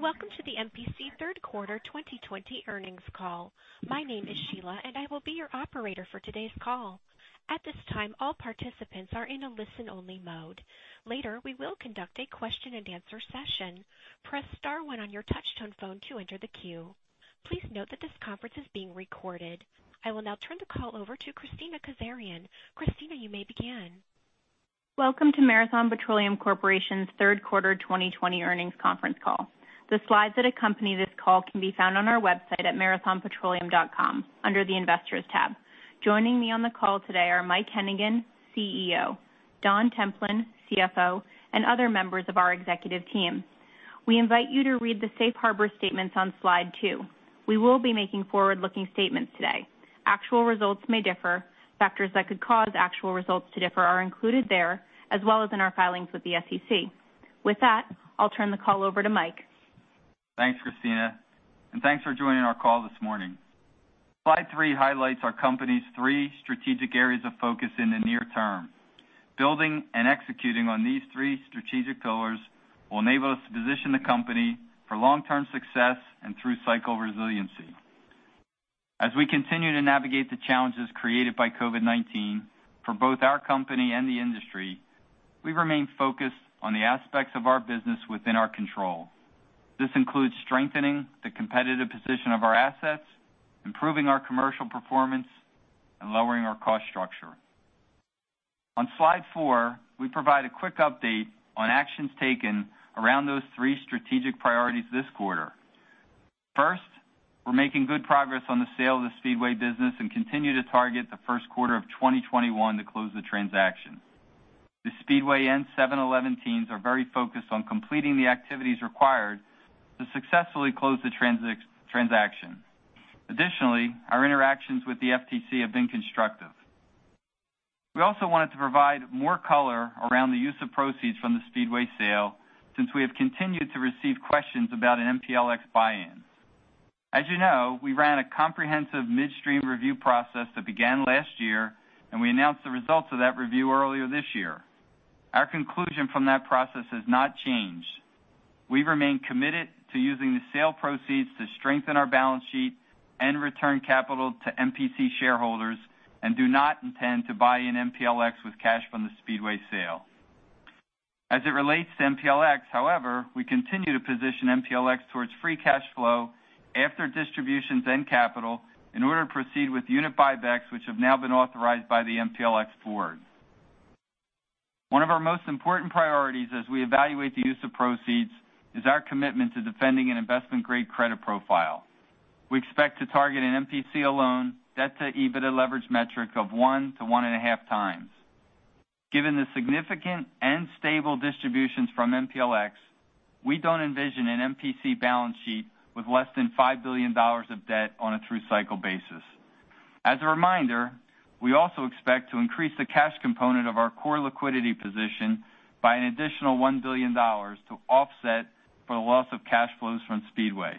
Welcome to the MPC third quarter 2020 earnings call. My name is Sheila, and I will be your operator for today's call. At this time, all participants are in a listen-only mode. Later, we will conduct a question and answer session. Press star one on your touch-tone phone to enter the queue. Please note that this conference is being recorded. I will now turn the call over to Kristina Kazarian. Kristina, you may begin. Welcome to Marathon Petroleum Corporation's third quarter 2020 earnings conference call. The slides that accompany this call can be found on our website at marathonpetroleum.com, under the Investors tab. Joining me on the call today are Mike Hennigan, CEO, Don Templin, CFO, and other members of our executive team. We invite you to read the safe harbor statements on slide two. We will be making forward-looking statements today. Actual results may differ. Factors that could cause actual results to differ are included there, as well as in our filings with the SEC. With that, I'll turn the call over to Mike. Thanks, Kristina, thanks for joining our call this morning. Slide three highlights our company's three strategic areas of focus in the near term. Building and executing on these three strategic pillars will enable us to position the company for long-term success and through-cycle resiliency. As we continue to navigate the challenges created by COVID-19 for both our company and the industry, we remain focused on the aspects of our business within our control. This includes strengthening the competitive position of our assets, improving our commercial performance, and lowering our cost structure. On slide four, we provide a quick update on actions taken around those three strategic priorities this quarter. First, we're making good progress on the sale of the Speedway business and continue to target the first quarter of 2021 to close the transaction. The Speedway and 7-Eleven teams are very focused on completing the activities required to successfully close the transaction. Additionally, our interactions with the FTC have been constructive. We also wanted to provide more color around the use of proceeds from the Speedway sale since we have continued to receive questions about an MPLX buy-in. As you know, we ran a comprehensive midstream review process that began last year, and we announced the results of that review earlier this year. Our conclusion from that process has not changed. We remain committed to using the sale proceeds to strengthen our balance sheet and return capital to MPC shareholders and do not intend to buy in MPLX with cash from the Speedway sale. As it relates to MPLX, however, we continue to position MPLX towards free cash flow after distributions and capital in order to proceed with unit buybacks, which have now been authorized by the MPLX board. One of our most important priorities as we evaluate the use of proceeds is our commitment to defending an investment-grade credit profile. We expect to target an MPC alone debt-to-EBITDA leverage metric of 1-1.5 times. Given the significant and stable distributions from MPLX, we don't envision an MPC balance sheet with less than $5 billion of debt on a through-cycle basis. As a reminder, we also expect to increase the cash component of our core liquidity position by an additional $1 billion to offset for the loss of cash flows from Speedway.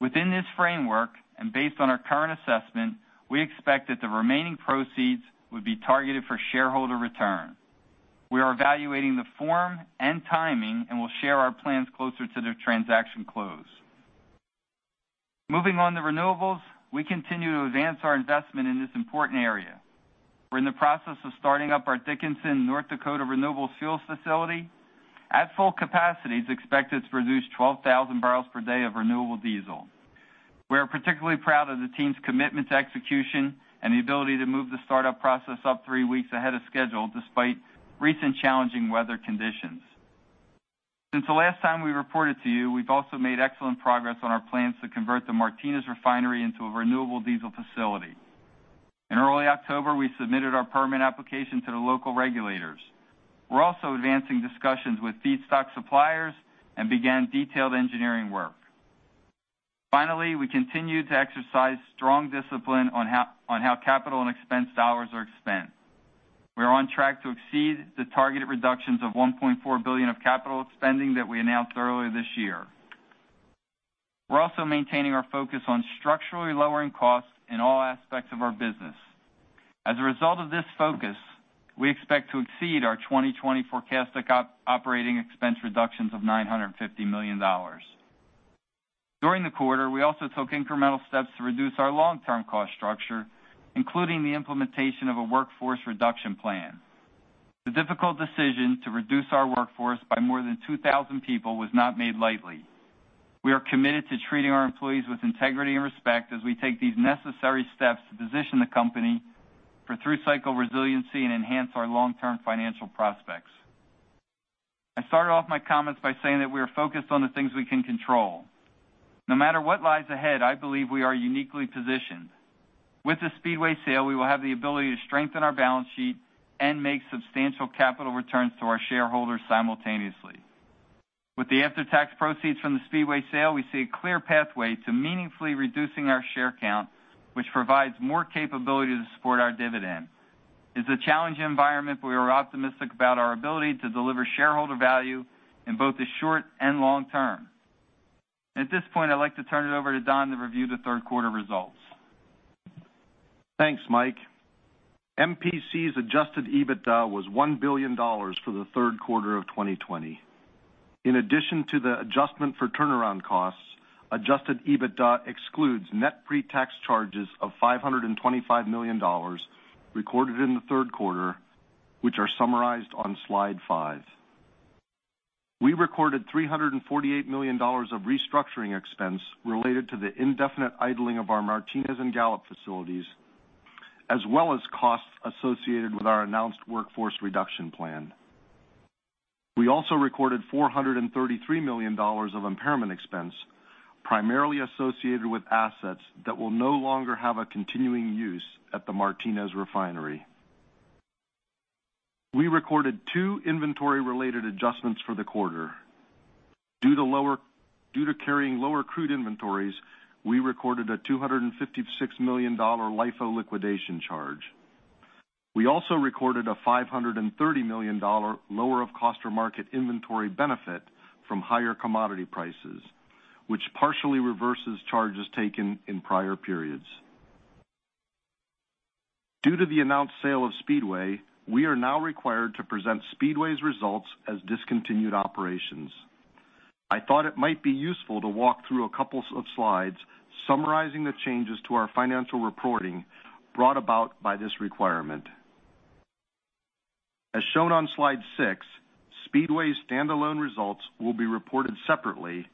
Within this framework, and based on our current assessment, we expect that the remaining proceeds would be targeted for shareholder return. We are evaluating the form and timing and will share our plans closer to the transaction close. Moving on to renewables, we continue to advance our investment in this important area. We're in the process of starting up our Dickinson, North Dakota, renewable fuels facility. At full capacity, it's expected to produce 12,000 barrels per day of renewable diesel. We are particularly proud of the team's commitment to execution and the ability to move the startup process up three weeks ahead of schedule despite recent challenging weather conditions. Since the last time we reported to you, we've also made excellent progress on our plans to convert the Martinez refinery into a renewable diesel facility. In early October, we submitted our permit application to the local regulators. We're also advancing discussions with feedstock suppliers and began detailed engineering work. Finally, we continue to exercise strong discipline on how capital and expense dollars are spent. We are on track to exceed the targeted reductions of $1.4 billion of capital spending that we announced earlier this year. We're also maintaining our focus on structurally lowering costs in all aspects of our business. As a result of this focus, we expect to exceed our 2020 forecasted operating expense reductions of $950 million. During the quarter, we also took incremental steps to reduce our long-term cost structure, including the implementation of a workforce reduction plan. The difficult decision to reduce our workforce by more than 2,000 people was not made lightly. We are committed to treating our employees with integrity and respect as we take these necessary steps to position the company for through-cycle resiliency and enhance our long-term financial prospects. I started off my comments by saying that we are focused on the things we can control. No matter what lies ahead, I believe we are uniquely positioned. With the Speedway sale, we will have the ability to strengthen our balance sheet and make substantial capital returns to our shareholders simultaneously. With the after-tax proceeds from the Speedway sale, we see a clear pathway to meaningfully reducing our share count, which provides more capability to support our dividend. It's a challenging environment. We are optimistic about our ability to deliver shareholder value in both the short and long term. At this point, I'd like to turn it over to Don to review the third quarter results. Thanks, Mike. MPC's adjusted EBITDA was $1 billion for the third quarter of 2020. In addition to the adjustment for turnaround costs, adjusted EBITDA excludes net pre-tax charges of $525 million recorded in the third quarter, which are summarized on Slide five. We recorded $348 million of restructuring expense related to the indefinite idling of our Martinez and Gallup facilities, as well as costs associated with our announced workforce reduction plan. We also recorded $433 million of impairment expense, primarily associated with assets that will no longer have a continuing use at the Martinez refinery. We recorded two inventory-related adjustments for the quarter. Due to carrying lower crude inventories, we recorded a $256 million LIFO liquidation charge. We also recorded a $530 million lower of cost or market inventory benefit from higher commodity prices, which partially reverses charges taken in prior periods. Due to the announced sale of Speedway, we are now required to present Speedway's results as discontinued operations. I thought it might be useful to walk through a couple of slides summarizing the changes to our financial reporting brought about by this requirement. As shown on Slide six, Speedway's standalone results will be reported separately,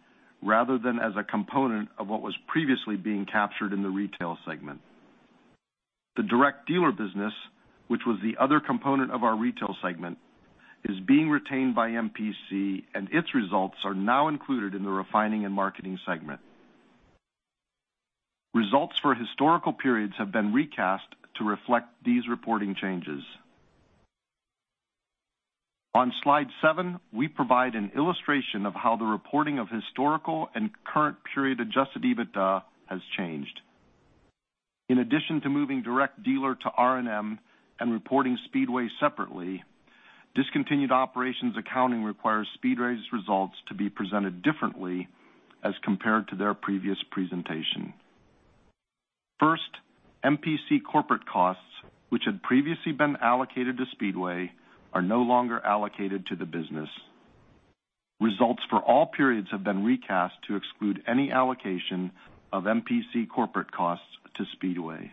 rather than as a component of what was previously being captured in the retail segment. The direct dealer business, which was the other component of our retail segment, is being retained by MPC, and its results are now included in the refining and marketing segment. Results for historical periods have been recast to reflect these reporting changes. On Slide seven, we provide an illustration of how the reporting of historical and current period adjusted EBITDA has changed. In addition to moving direct dealer to R&M and reporting Speedway separately, discontinued operations accounting requires Speedway's results to be presented differently as compared to their previous presentation. First, MPC corporate costs, which had previously been allocated to Speedway, are no longer allocated to the business. Results for all periods have been recast to exclude any allocation of MPC corporate costs to Speedway.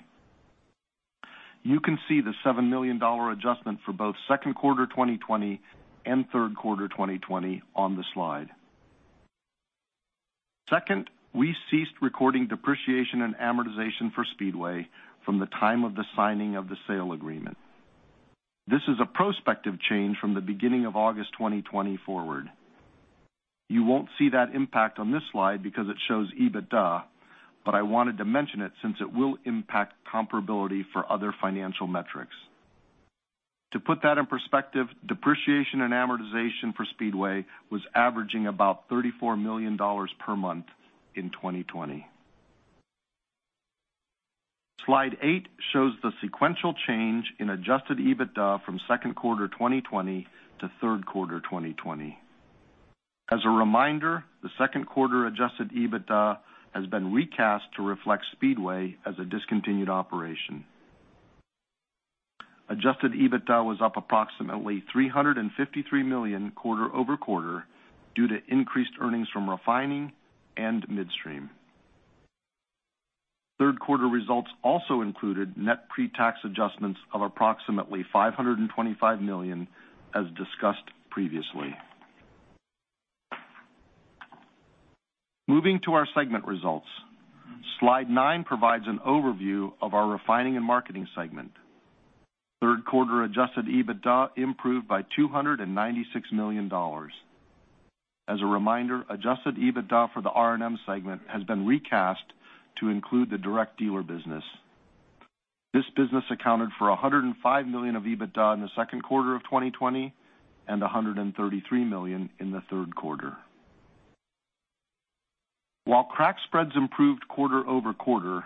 You can see the $7 million adjustment for both second quarter 2020 and third quarter 2020 on the slide. Second, we ceased recording depreciation and amortization for Speedway from the time of the signing of the sale agreement. This is a prospective change from the beginning of August 2020 forward. You won't see that impact on this slide because it shows EBITDA, but I wanted to mention it since it will impact comparability for other financial metrics. To put that in perspective, depreciation and amortization for Speedway was averaging about $34 million per month in 2020. Slide eight shows the sequential change in adjusted EBITDA from second quarter 2020 to third quarter 2020. As a reminder, the second quarter adjusted EBITDA has been recast to reflect Speedway as a discontinued operation. Adjusted EBITDA was up approximately $353 million quarter-over-quarter due to increased earnings from refining and midstream. Third quarter results also included net pre-tax adjustments of approximately $525 million, as discussed previously. Moving to our segment results. Slide nine provides an overview of our refining and marketing segment. Third quarter adjusted EBITDA improved by $296 million. As a reminder, adjusted EBITDA for the R&M segment has been recast to include the direct dealer business. This business accounted for $105 million of EBITDA in the second quarter of 2020 and $133 million in the third quarter. While crack spreads improved quarter-over-quarter,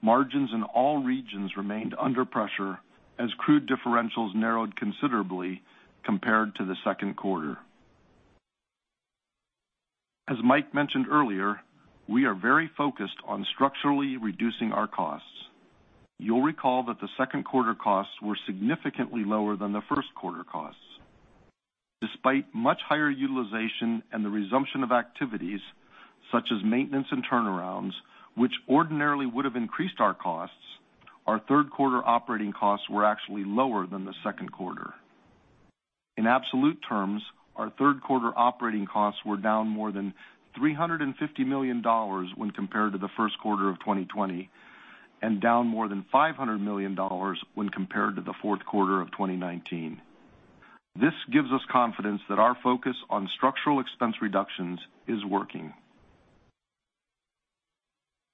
margins in all regions remained under pressure as crude differentials narrowed considerably compared to the second quarter. As Mike mentioned earlier, we are very focused on structurally reducing our costs. You'll recall that the second quarter costs were significantly lower than the first quarter costs. Despite much higher utilization and the resumption of activities such as maintenance and turnarounds, which ordinarily would have increased our costs, our third quarter operating costs were actually lower than the second quarter. In absolute terms, our third quarter operating costs were down more than $350 million when compared to the first quarter of 2020, and down more than $500 million when compared to the fourth quarter of 2019. This gives us confidence that our focus on structural expense reductions is working.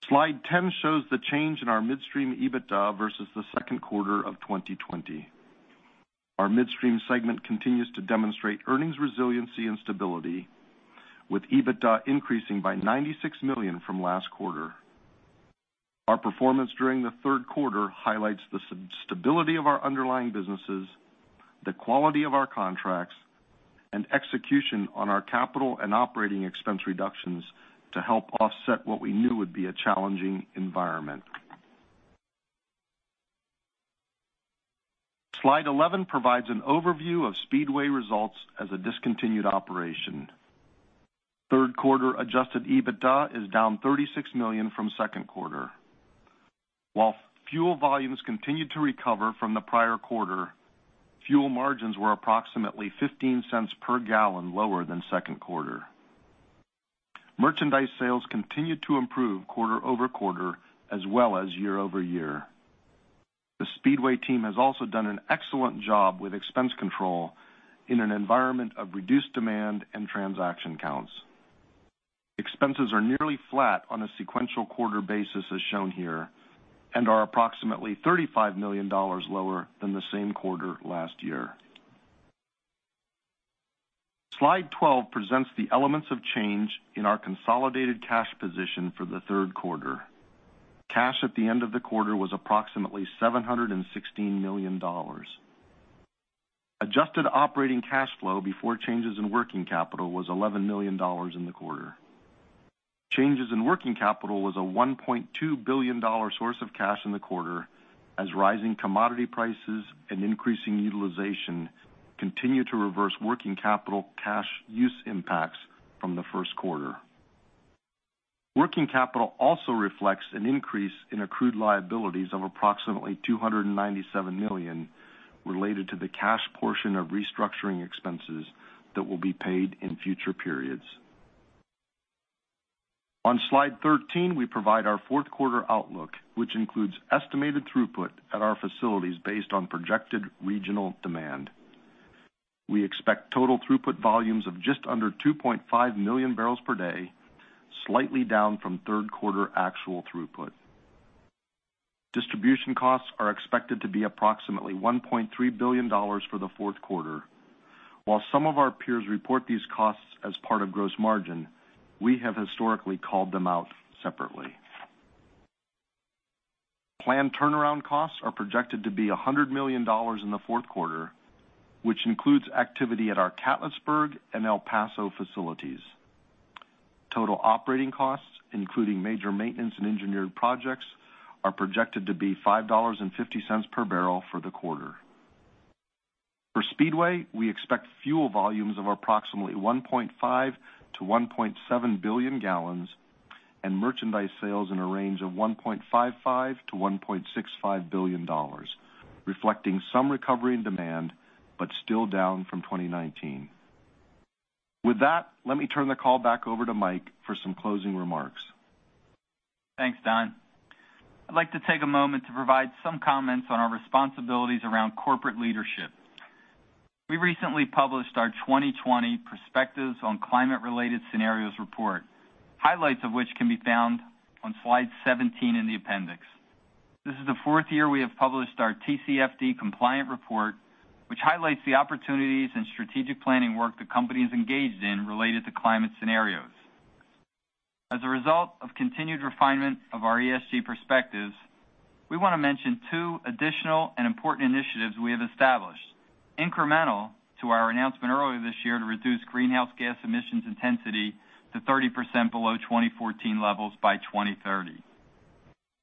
Slide 10 shows the change in our midstream EBITDA versus the second quarter of 2020. Our midstream segment continues to demonstrate earnings resiliency and stability, with EBITDA increasing by $96 million from last quarter. Our performance during the third quarter highlights the stability of our underlying businesses, the quality of our contracts and execution on our capital and operating expense reductions to help offset what we knew would be a challenging environment. Slide 11 provides an overview of Speedway results as a discontinued operation. Third quarter adjusted EBITDA is down $36 million from second quarter. While fuel volumes continued to recover from the prior quarter, fuel margins were approximately $0.15 per gallon lower than second quarter. Merchandise sales continued to improve quarter-over-quarter as well as year-over-year. The Speedway team has also done an excellent job with expense control in an environment of reduced demand and transaction counts. Expenses are nearly flat on a sequential quarter basis, as shown here, and are approximately $35 million lower than the same quarter last year. Slide 12 presents the elements of change in our consolidated cash position for the third quarter. Cash at the end of the quarter was approximately $716 million. Adjusted operating cash flow before changes in working capital was $11 million in the quarter. Changes in working capital was a $1.2 billion source of cash in the quarter, as rising commodity prices and increasing utilization continued to reverse working capital cash use impacts from the first quarter. Working capital also reflects an increase in accrued liabilities of approximately $297 million related to the cash portion of restructuring expenses that will be paid in future periods. On Slide 13, we provide our fourth quarter outlook, which includes estimated throughput at our facilities based on projected regional demand. We expect total throughput volumes of just under 2.5 million barrels per day, slightly down from third quarter actual throughput. Distribution costs are expected to be approximately $1.3 billion for the fourth quarter. While some of our peers report these costs as part of gross margin, we have historically called them out separately. Planned turnaround costs are projected to be $100 million in the fourth quarter, which includes activity at our Catlettsburg and El Paso facilities. Total operating costs, including major maintenance and engineered projects, are projected to be $5.50 per barrel for the quarter. For Speedway, we expect fuel volumes of approximately 1.5 billion-1.7 billion gallons and merchandise sales in a range of $1.55 billion-$1.65 billion, reflecting some recovery in demand, but still down from 2019. With that, let me turn the call back over to Mike for some closing remarks. Thanks, Don. I'd like to take a moment to provide some comments on our responsibilities around corporate leadership. We recently published our 2020 Perspectives on Climate-Related Scenarios report, highlights of which can be found on slide 17 in the appendix. This is the fourth year we have published our TCFD compliant report, which highlights the opportunities and strategic planning work the company is engaged in related to climate scenarios. As a result of continued refinement of our ESG perspectives, we want to mention two additional and important initiatives we have established, incremental to our announcement earlier this year to reduce greenhouse gas emissions intensity to 30% below 2014 levels by 2030.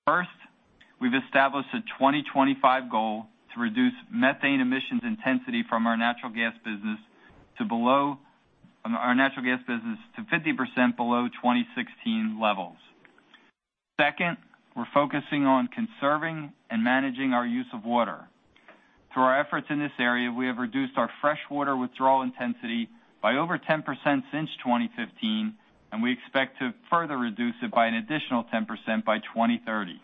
First, we've established a 2025 goal to reduce methane emissions intensity from our natural gas business to 30% below 2016 levels. Second, we're focusing on conserving and managing our use of water. Through our efforts in this area, we have reduced our freshwater withdrawal intensity by over 10% since 2015, and we expect to further reduce it by an additional 10% by 2030.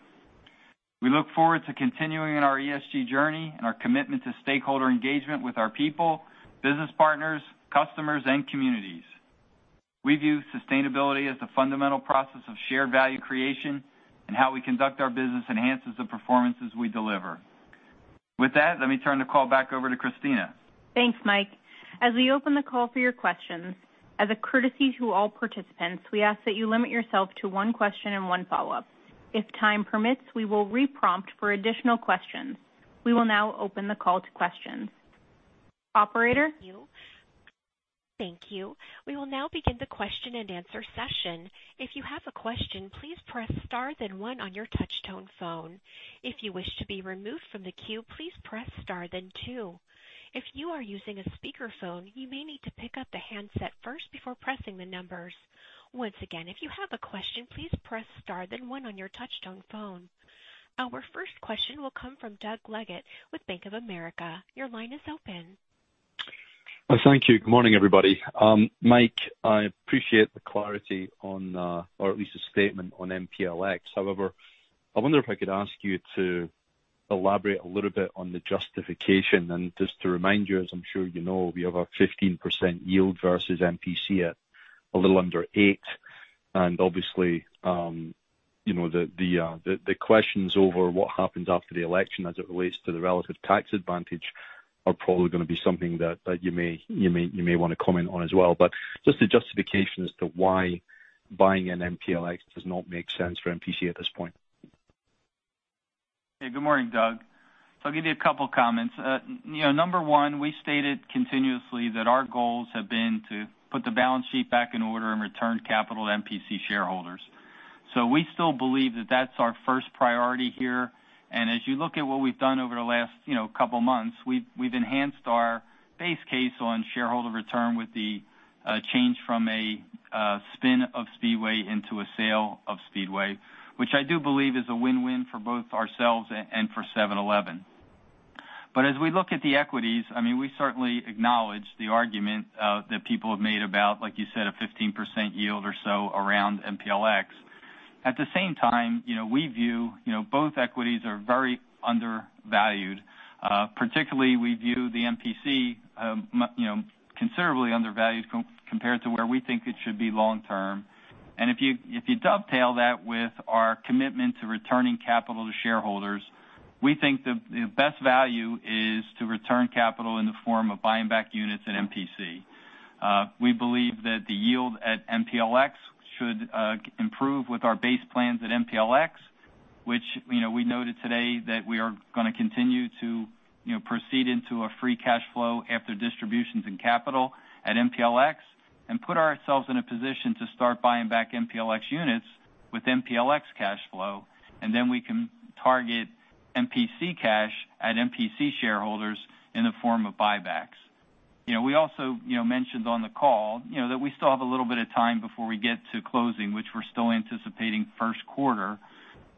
We look forward to continuing on our ESG journey and our commitment to stakeholder engagement with our people, business partners, customers, and communities. We view sustainability as a fundamental process of shared value creation, and how we conduct our business enhances the performances we deliver. With that, let me turn the call back over to Kristina. Thanks, Mike. As we open the call for your questions, as a courtesy to all participants, we ask that you limit yourself to one question and one follow-up. If time permits, we will re-prompt for additional questions. We will now open the call to questions. Operator? Thank you. We will now begin the question and answer session. Our first question will come from Doug Leggate with Bank of America. Your line is open. Thank you. Good morning, everybody. Mike, I appreciate the clarity on, or at least a statement on MPLX. I wonder if I could ask you to elaborate a little bit on the justification and just to remind you, as I'm sure you know, we have a 15% yield versus MPC at a little under eight, and obviously, the questions over what happens after the election as it relates to the relative tax advantage are probably going to be something that you may want to comment on as well. Just the justification as to why buying an MPLX does not make sense for MPC at this point. Hey, good morning, Doug. I'll give you a couple of comments. Number one, we stated continuously that our goals have been to put the balance sheet back in order and return capital to MPC shareholders. We still believe that that's our first priority here. As you look at what we've done over the last couple of months, we've enhanced our base case on shareholder return with the change from a spin of Speedway into a sale of Speedway, which I do believe is a win-win for both ourselves and for 7-Eleven. As we look at the equities, we certainly acknowledge the argument that people have made about, like you said, a 15% yield or so around MPLX. At the same time, we view both equities are very undervalued. Particularly, we view the MPC considerably undervalued compared to where we think it should be long term. If you dovetail that with our commitment to returning capital to shareholders, we think the best value is to return capital in the form of buying back units at MPC. We believe that the yield at MPLX should improve with our base plans at MPLX, which we noted today that we are going to continue to proceed into a free cash flow after distributions in capital at MPLX and put ourselves in a position to start buying back MPLX units with MPLX cash flow, then we can target MPC cash at MPC shareholders in the form of buybacks. We also mentioned on the call that we still have a little bit of time before we get to closing, which we're still anticipating first quarter.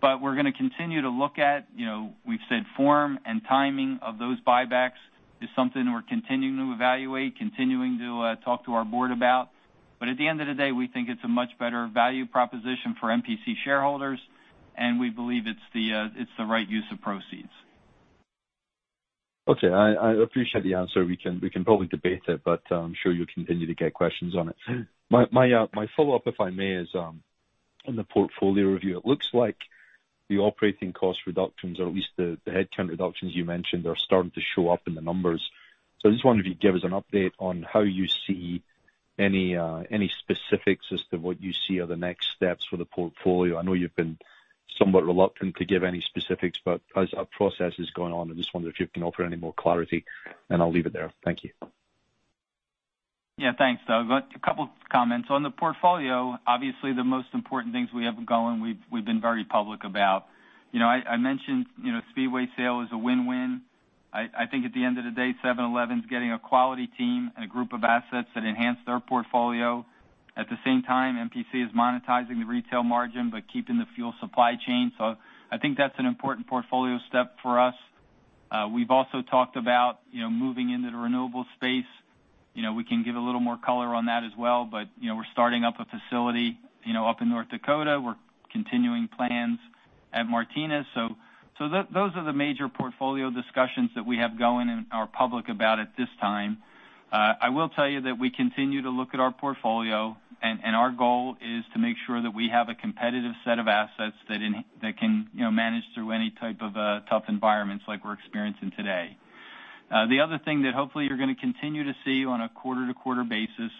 We're going to continue to look at, we've said form and timing of those buybacks is something we're continuing to evaluate, continuing to talk to our board about. At the end of the day, we think it's a much better value proposition for MPC shareholders, and we believe it's the right use of proceeds. Okay, I appreciate the answer. We can probably debate it, but I'm sure you'll continue to get questions on it. My follow-up, if I may, is on the portfolio review. It looks like the operating cost reductions, or at least the headcount reductions you mentioned, are starting to show up in the numbers. I just wonder if you'd give us an update on how you see any specifics as to what you see are the next steps for the portfolio. I know you've been somewhat reluctant to give any specifics, but as our process is going on, I just wonder if you can offer any more clarity, and I'll leave it there. Thank you. Yeah, thanks, Doug. A couple comments. On the portfolio, obviously, the most important things we have going, we've been very public about. I mentioned Speedway sale is a win-win. I think at the end of the day, 7-Eleven is getting a quality team and a group of assets that enhance their portfolio. At the same time, MPC is monetizing the retail margin by keeping the fuel supply chain. I think that's an important portfolio step for us. We've also talked about moving into the renewable space. We can give a little more color on that as well, but we're starting up a facility up in North Dakota. We're continuing plans at Martinez. Those are the major portfolio discussions that we have going and are public about at this time. I will tell you that we continue to look at our portfolio, and our goal is to make sure that we have a competitive set of assets that can manage through any type of tough environments like we're experiencing today. The other thing that hopefully you're going to continue to see on a quarter-to-quarter basis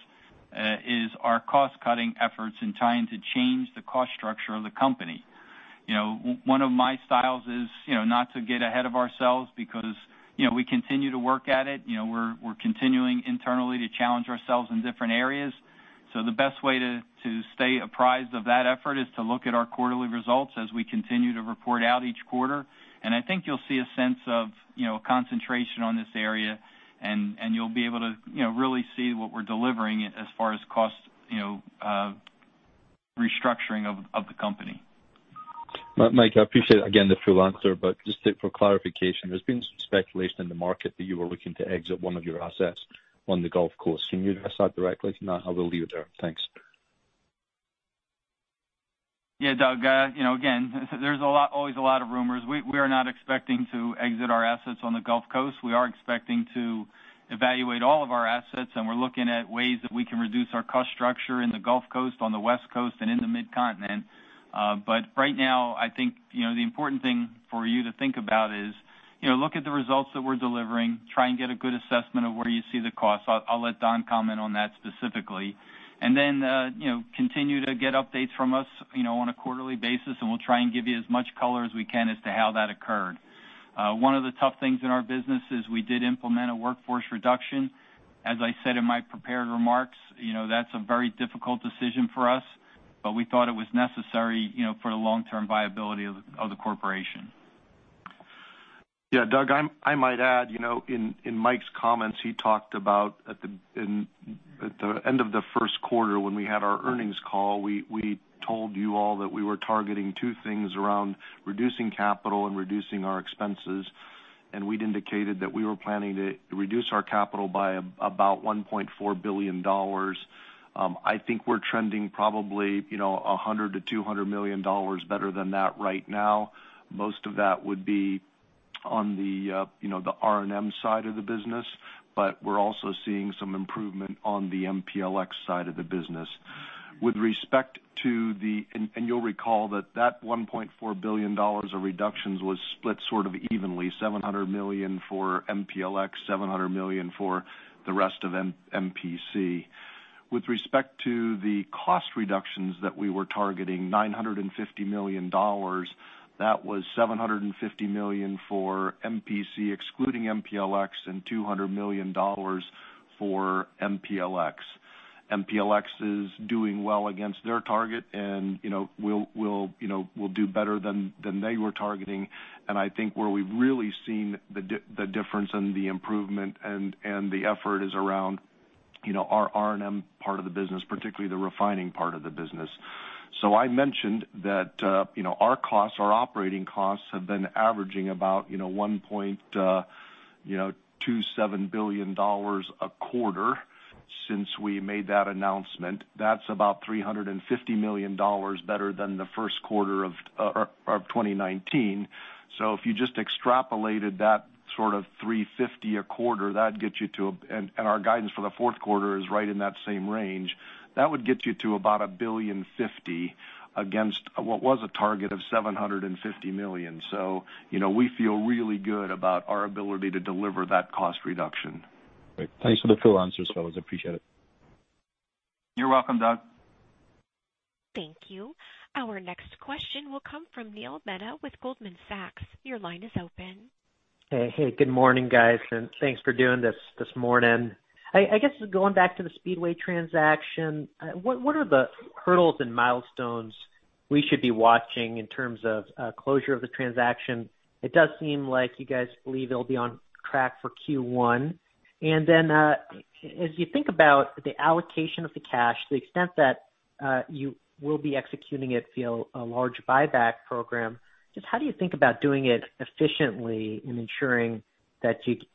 is our cost-cutting efforts and trying to change the cost structure of the company. One of my styles is not to get ahead of ourselves because we continue to work at it. We're continuing internally to challenge ourselves in different areas. The best way to stay apprised of that effort is to look at our quarterly results as we continue to report out each quarter. I think you'll see a sense of concentration on this area, and you'll be able to really see what we're delivering as far as cost restructuring of the company. Mike, I appreciate, again, the full answer, but just for clarification, there's been some speculation in the market that you were looking to exit one of your assets on the Gulf Coast. Can you address that directly? If not, I will leave it there. Thanks. Yeah, Doug. Again, there's always a lot of rumors. We are not expecting to exit our assets on the Gulf Coast. We are expecting to evaluate all of our assets, and we're looking at ways that we can reduce our cost structure in the Gulf Coast, on the West Coast, and in the Mid-Continent. Right now, I think the important thing for you to think about is look at the results that we're delivering, try and get a good assessment of where you see the cost. I'll let Don comment on that specifically. Continue to get updates from us on a quarterly basis, and we'll try and give you as much color as we can as to how that occurred. One of the tough things in our business is we did implement a workforce reduction. As I said in my prepared remarks, that's a very difficult decision for us, but we thought it was necessary for the long-term viability of the corporation. Doug, I might add, in Mike's comments, he talked about at the end of the first quarter when we had our earnings call, we told you all that we were targeting two things around reducing capital and reducing our expenses. We'd indicated that we were planning to reduce our capital by about $1.4 billion. I think we're trending probably $100 million-$200 million better than that right now. Most of that would be on the R&M side of the business, but we're also seeing some improvement on the MPLX side of the business. You'll recall that that $1.4 billion of reductions was split sort of evenly, $700 million for MPLX, $700 million for the rest of MPC. With respect to the cost reductions that we were targeting, $950 million, that was $750 million for MPC, excluding MPLX, and $200 million for MPLX. MPLX is doing well against their target, and we'll do better than they were targeting. I think where we've really seen the difference and the improvement and the effort is around our R&M part of the business, particularly the refining part of the business. I mentioned that our costs, our operating costs, have been averaging about $1.27 billion a quarter since we made that announcement. That's about $350 million better than the first quarter of 2019. If you just extrapolated that sort of $350 a quarter, and our guidance for the fourth quarter is right in that same range, that would get you to about $1.05 billion against what was a target of $750 million. We feel really good about our ability to deliver that cost reduction. Great. Thanks for the full answer, Don. I appreciate it. You're welcome, Doug. Thank you. Our next question will come from Neil Mehta with Goldman Sachs. Your line is open. Hey. Good morning, guys, and thanks for doing this this morning. I guess, going back to the Speedway transaction, what are the hurdles and milestones we should be watching in terms of closure of the transaction? It does seem like you guys believe it'll be on track for Q1. As you think about the allocation of the cash, to the extent that you will be executing it via a large buyback program, just how do you think about doing it efficiently and ensuring that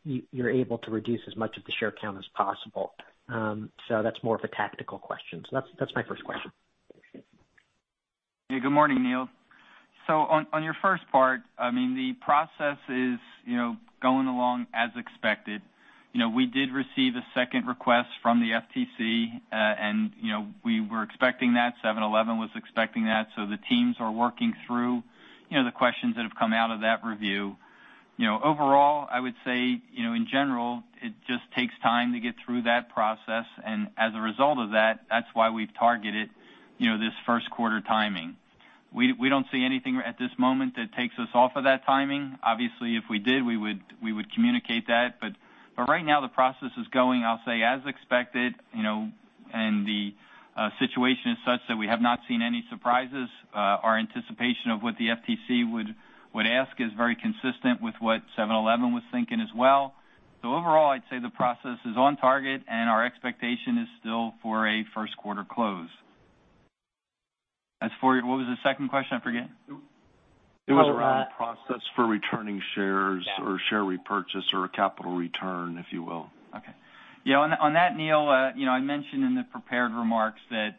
you're able to reduce as much of the share count as possible? That's more of a tactical question. That's my first question. Yeah. Good morning, Neil. On your first part, the process is going along as expected. We did receive a second request from the FTC, and we were expecting that. 7-Eleven was expecting that. The teams are working through the questions that have come out of that review. Overall, I would say, in general, it just takes time to get through that process, and as a result of that's why we've targeted this first-quarter timing. We don't see anything at this moment that takes us off of that timing. Obviously, if we did, we would communicate that. Right now, the process is going, I'll say, as expected, and the situation is such that we have not seen any surprises. Our anticipation of what the FTC would ask is very consistent with what 7-Eleven was thinking as well. Overall, I'd say the process is on target and our expectation is still for a first-quarter close. What was the second question? I forget. It was around the process for returning shares or share repurchase or a capital return, if you will. On that, Neil, I mentioned in the prepared remarks that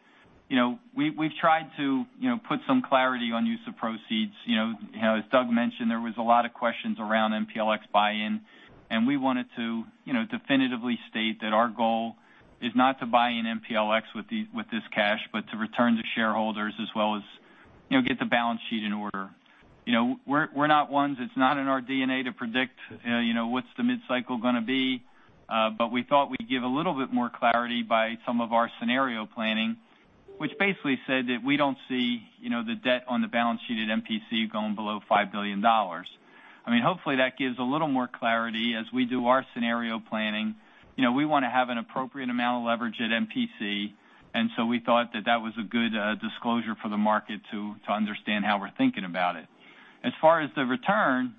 we've tried to put some clarity on use of proceeds. As Don mentioned, there was a lot of questions around MPLX buy-in, and we wanted to definitively state that our goal is not to buy in MPLX with this cash, but to return to shareholders as well as get the balance sheet in order. We're not ones, it's not in our DNA to predict what's the mid-cycle going to be. We thought we'd give a little bit more clarity by some of our scenario planning, which basically said that we don't see the debt on the balance sheet at MPC going below $5 billion. Hopefully, that gives a little more clarity as we do our scenario planning. We want to have an appropriate amount of leverage at MPC, and so we thought that that was a good disclosure for the market to understand how we're thinking about it. As far as the return,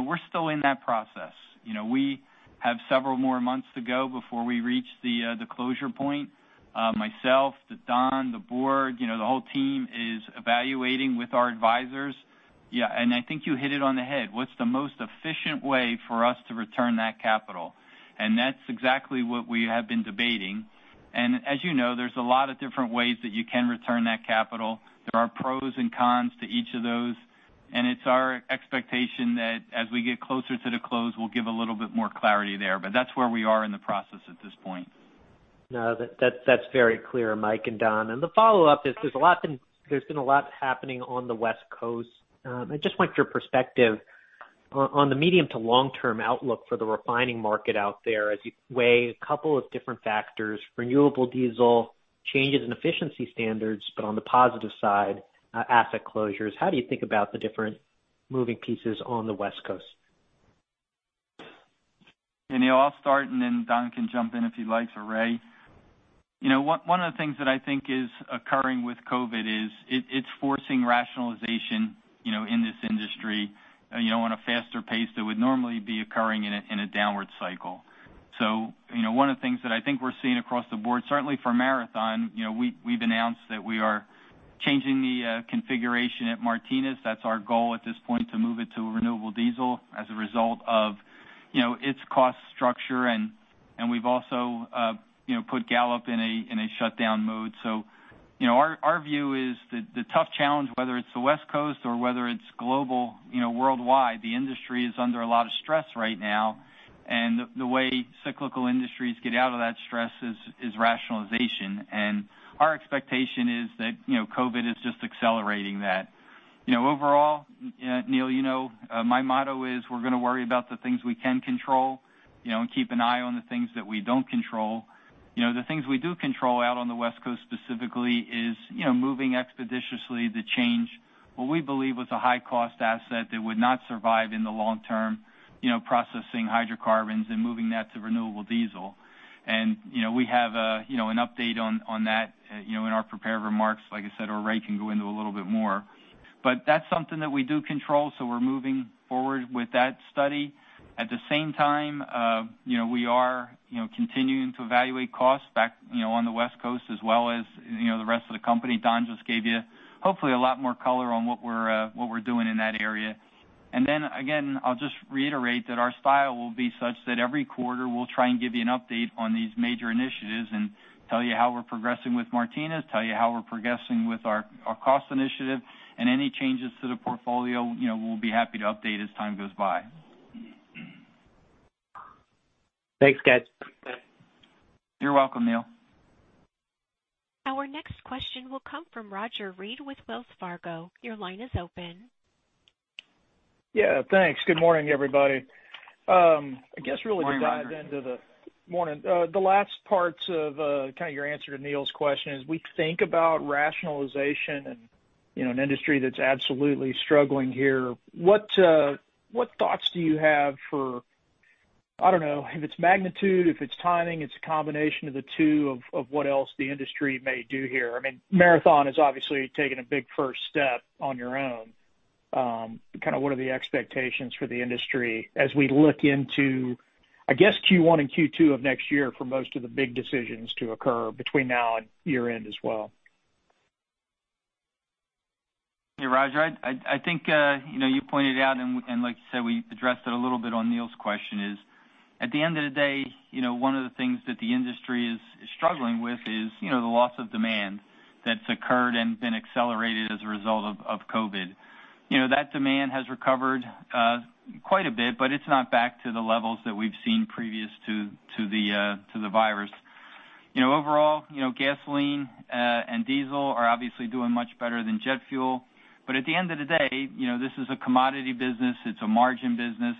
we're still in that process. We have several more months to go before we reach the closure point. Myself, Don, the board, the whole team is evaluating with our advisors. Yeah, I think you hit it on the head. What's the most efficient way for us to return that capital? That's exactly what we have been debating. As you know, there's a lot of different ways that you can return that capital. There are pros and cons to each of those, and it's our expectation that as we get closer to the close, we'll give a little bit more clarity there. That's where we are in the process at this point. No, that's very clear, Mike and Don. The follow-up is there's been a lot happening on the West Coast. I just want your perspective on the medium to long-term outlook for the refining market out there as you weigh a couple of different factors, renewable diesel, changes in efficiency standards, but on the positive side, asset closures. How do you think about the different moving pieces on the West Coast? Neil, I'll start, and then Don can jump in if he likes, or Ray. One of the things that I think is occurring with COVID is it's forcing rationalization in this industry on a faster pace than would normally be occurring in a downward cycle. One of the things that I think we're seeing across the board, certainly for Marathon, we've announced that we are changing the configuration at Martinez. That's our goal at this point to move it to renewable diesel as a result of its cost structure, and we've also put Gallup in a shutdown mode. Our view is the tough challenge, whether it's the West Coast or whether it's global, worldwide, the industry is under a lot of stress right now, and the way cyclical industries get out of that stress is rationalization. Our expectation is that COVID is just accelerating that. Overall, Neil, my motto is we're going to worry about the things we can control, and keep an eye on the things that we don't control. The things we do control out on the West Coast specifically is moving expeditiously to change what we believe was a high-cost asset that would not survive in the long term, processing hydrocarbons and moving that to renewable diesel. We have an update on that in our prepared remarks. Like I said, Ray can go into a little bit more. That's something that we do control, so we're moving forward with that study. At the same time, we are continuing to evaluate costs back on the West Coast as well as the rest of the company. Don just gave you, hopefully, a lot more color on what we're doing in that area. Again, I'll just reiterate that our style will be such that every quarter we'll try and give you an update on these major initiatives and tell you how we're progressing with Martinez, tell you how we're progressing with our cost initiative, and any changes to the portfolio, we'll be happy to update as time goes by. Thanks, guys. You're welcome, Neil. Our next question will come from Roger Read with Wells Fargo. Your line is open. Yeah, thanks. Good morning, everybody. Good morning, Roger. I guess really to dive into Morning. The last parts of your answer to Neil's question is we think about rationalization in an industry that's absolutely struggling here. What thoughts do you have for, I don't know, if it's magnitude, if it's timing, it's a combination of the two of what else the industry may do here? Marathon has obviously taken a big first step on your own. What are the expectations for the industry as we look into, I guess, Q1 and Q2 of next year for most of the big decisions to occur between now and year-end as well? Hey, Roger, I think you pointed out, and like you said, we addressed it a little bit on Neil's question is, at the end of the day, one of the things that the industry is struggling with is the loss of demand that's occurred and been accelerated as a result of COVID. That demand has recovered quite a bit, but it's not back to the levels that we've seen previous to the virus. Overall, gasoline and diesel are obviously doing much better than jet fuel. At the end of the day, this is a commodity business, it's a margin business.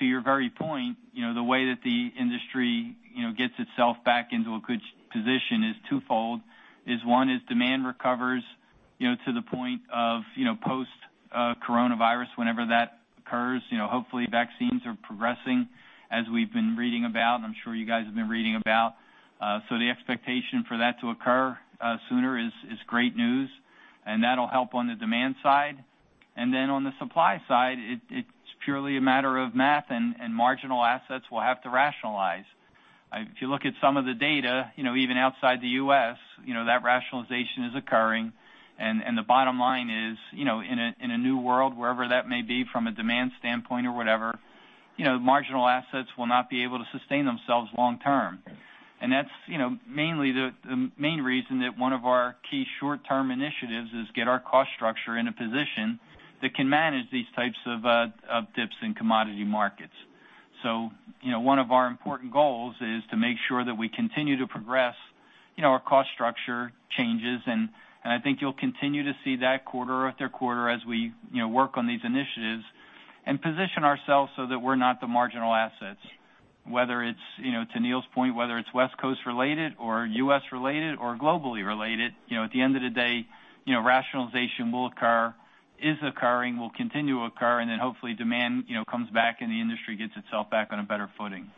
To your very point, the way that the industry gets itself back into a good position is twofold. One is demand recovers to the point of post-coronavirus, whenever that occurs. Hopefully, vaccines are progressing, as we've been reading about, and I'm sure you guys have been reading about. The expectation for that to occur sooner is great news, and that'll help on the demand side. On the supply side, it's purely a matter of math, and marginal assets will have to rationalize. If you look at some of the data, even outside the U.S., that rationalization is occurring. The bottom line is, in a new world, wherever that may be from a demand standpoint or whatever, marginal assets will not be able to sustain themselves long-term. That's the main reason that one of our key short-term initiatives is get our cost structure in a position that can manage these types of dips in commodity markets. One of our important goals is to make sure that we continue to progress our cost structure changes, and I think you'll continue to see that quarter after quarter as we work on these initiatives and position ourselves so that we're not the marginal assets. To Neil's point, whether it's West Coast-related or U.S.-related or globally-related, at the end of the day, rationalization will occur, is occurring, will continue to occur, and then hopefully demand comes back and the industry gets itself back on a better footing.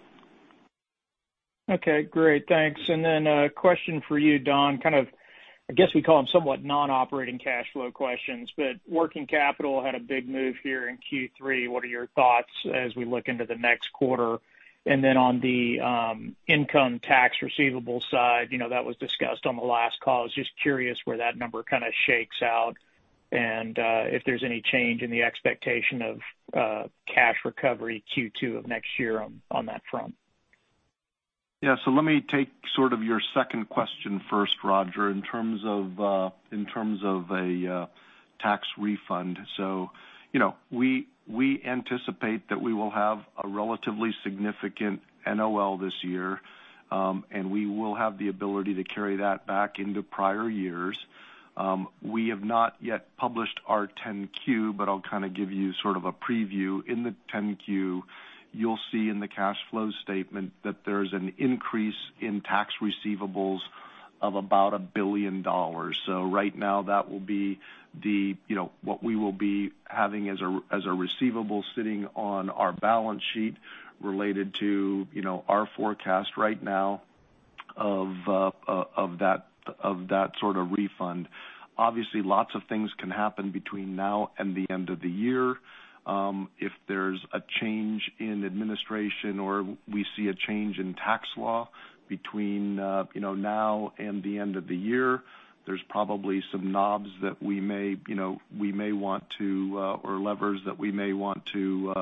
Okay, great. Thanks. A question for you, Don. I guess we call them somewhat non-operating cash flow questions, but working capital had a big move here in Q3. What are your thoughts as we look into the next quarter? On the income tax receivable side, that was discussed on the last call. I was just curious where that number shakes out and if there's any change in the expectation of cash recovery Q2 of next year on that front. Yeah. Let me take sort of your second question first, Roger, in terms of a tax refund. We anticipate that we will have a relatively significant NOL this year, and we will have the ability to carry that back into prior years. We have not yet published our 10-Q, but I'll give you sort of a preview. In the 10-Q, you'll see in the cash flow statement that there's an increase in tax receivables of about $1 billion. Right now that will be what we will be having as a receivable sitting on our balance sheet related to our forecast right now of that sort of refund. Obviously, lots of things can happen between now and the end of the year. If there's a change in administration or we see a change in tax law between now and the end of the year, there's probably some knobs or levers that we may want to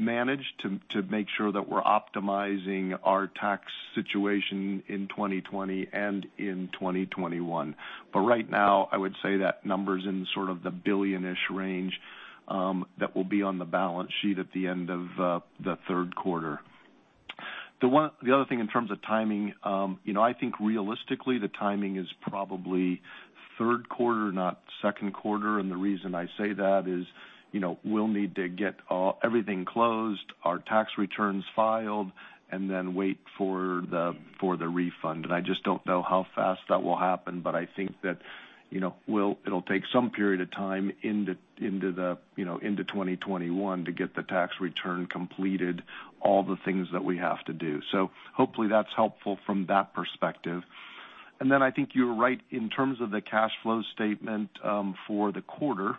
manage to make sure that we're optimizing our tax situation in 2020 and in 2021. Right now, I would say that number's in sort of the billion-ish range that will be on the balance sheet at the end of the third quarter. The other thing in terms of timing, I think realistically the timing is probably third quarter, not second quarter. The reason I say that is, we'll need to get everything closed, our tax returns filed, and then wait for the refund. I just don't know how fast that will happen, but I think that it'll take some period of time into 2021 to get the tax return completed, all the things that we have to do. Hopefully that's helpful from that perspective. I think you're right in terms of the cash flow statement for the quarter.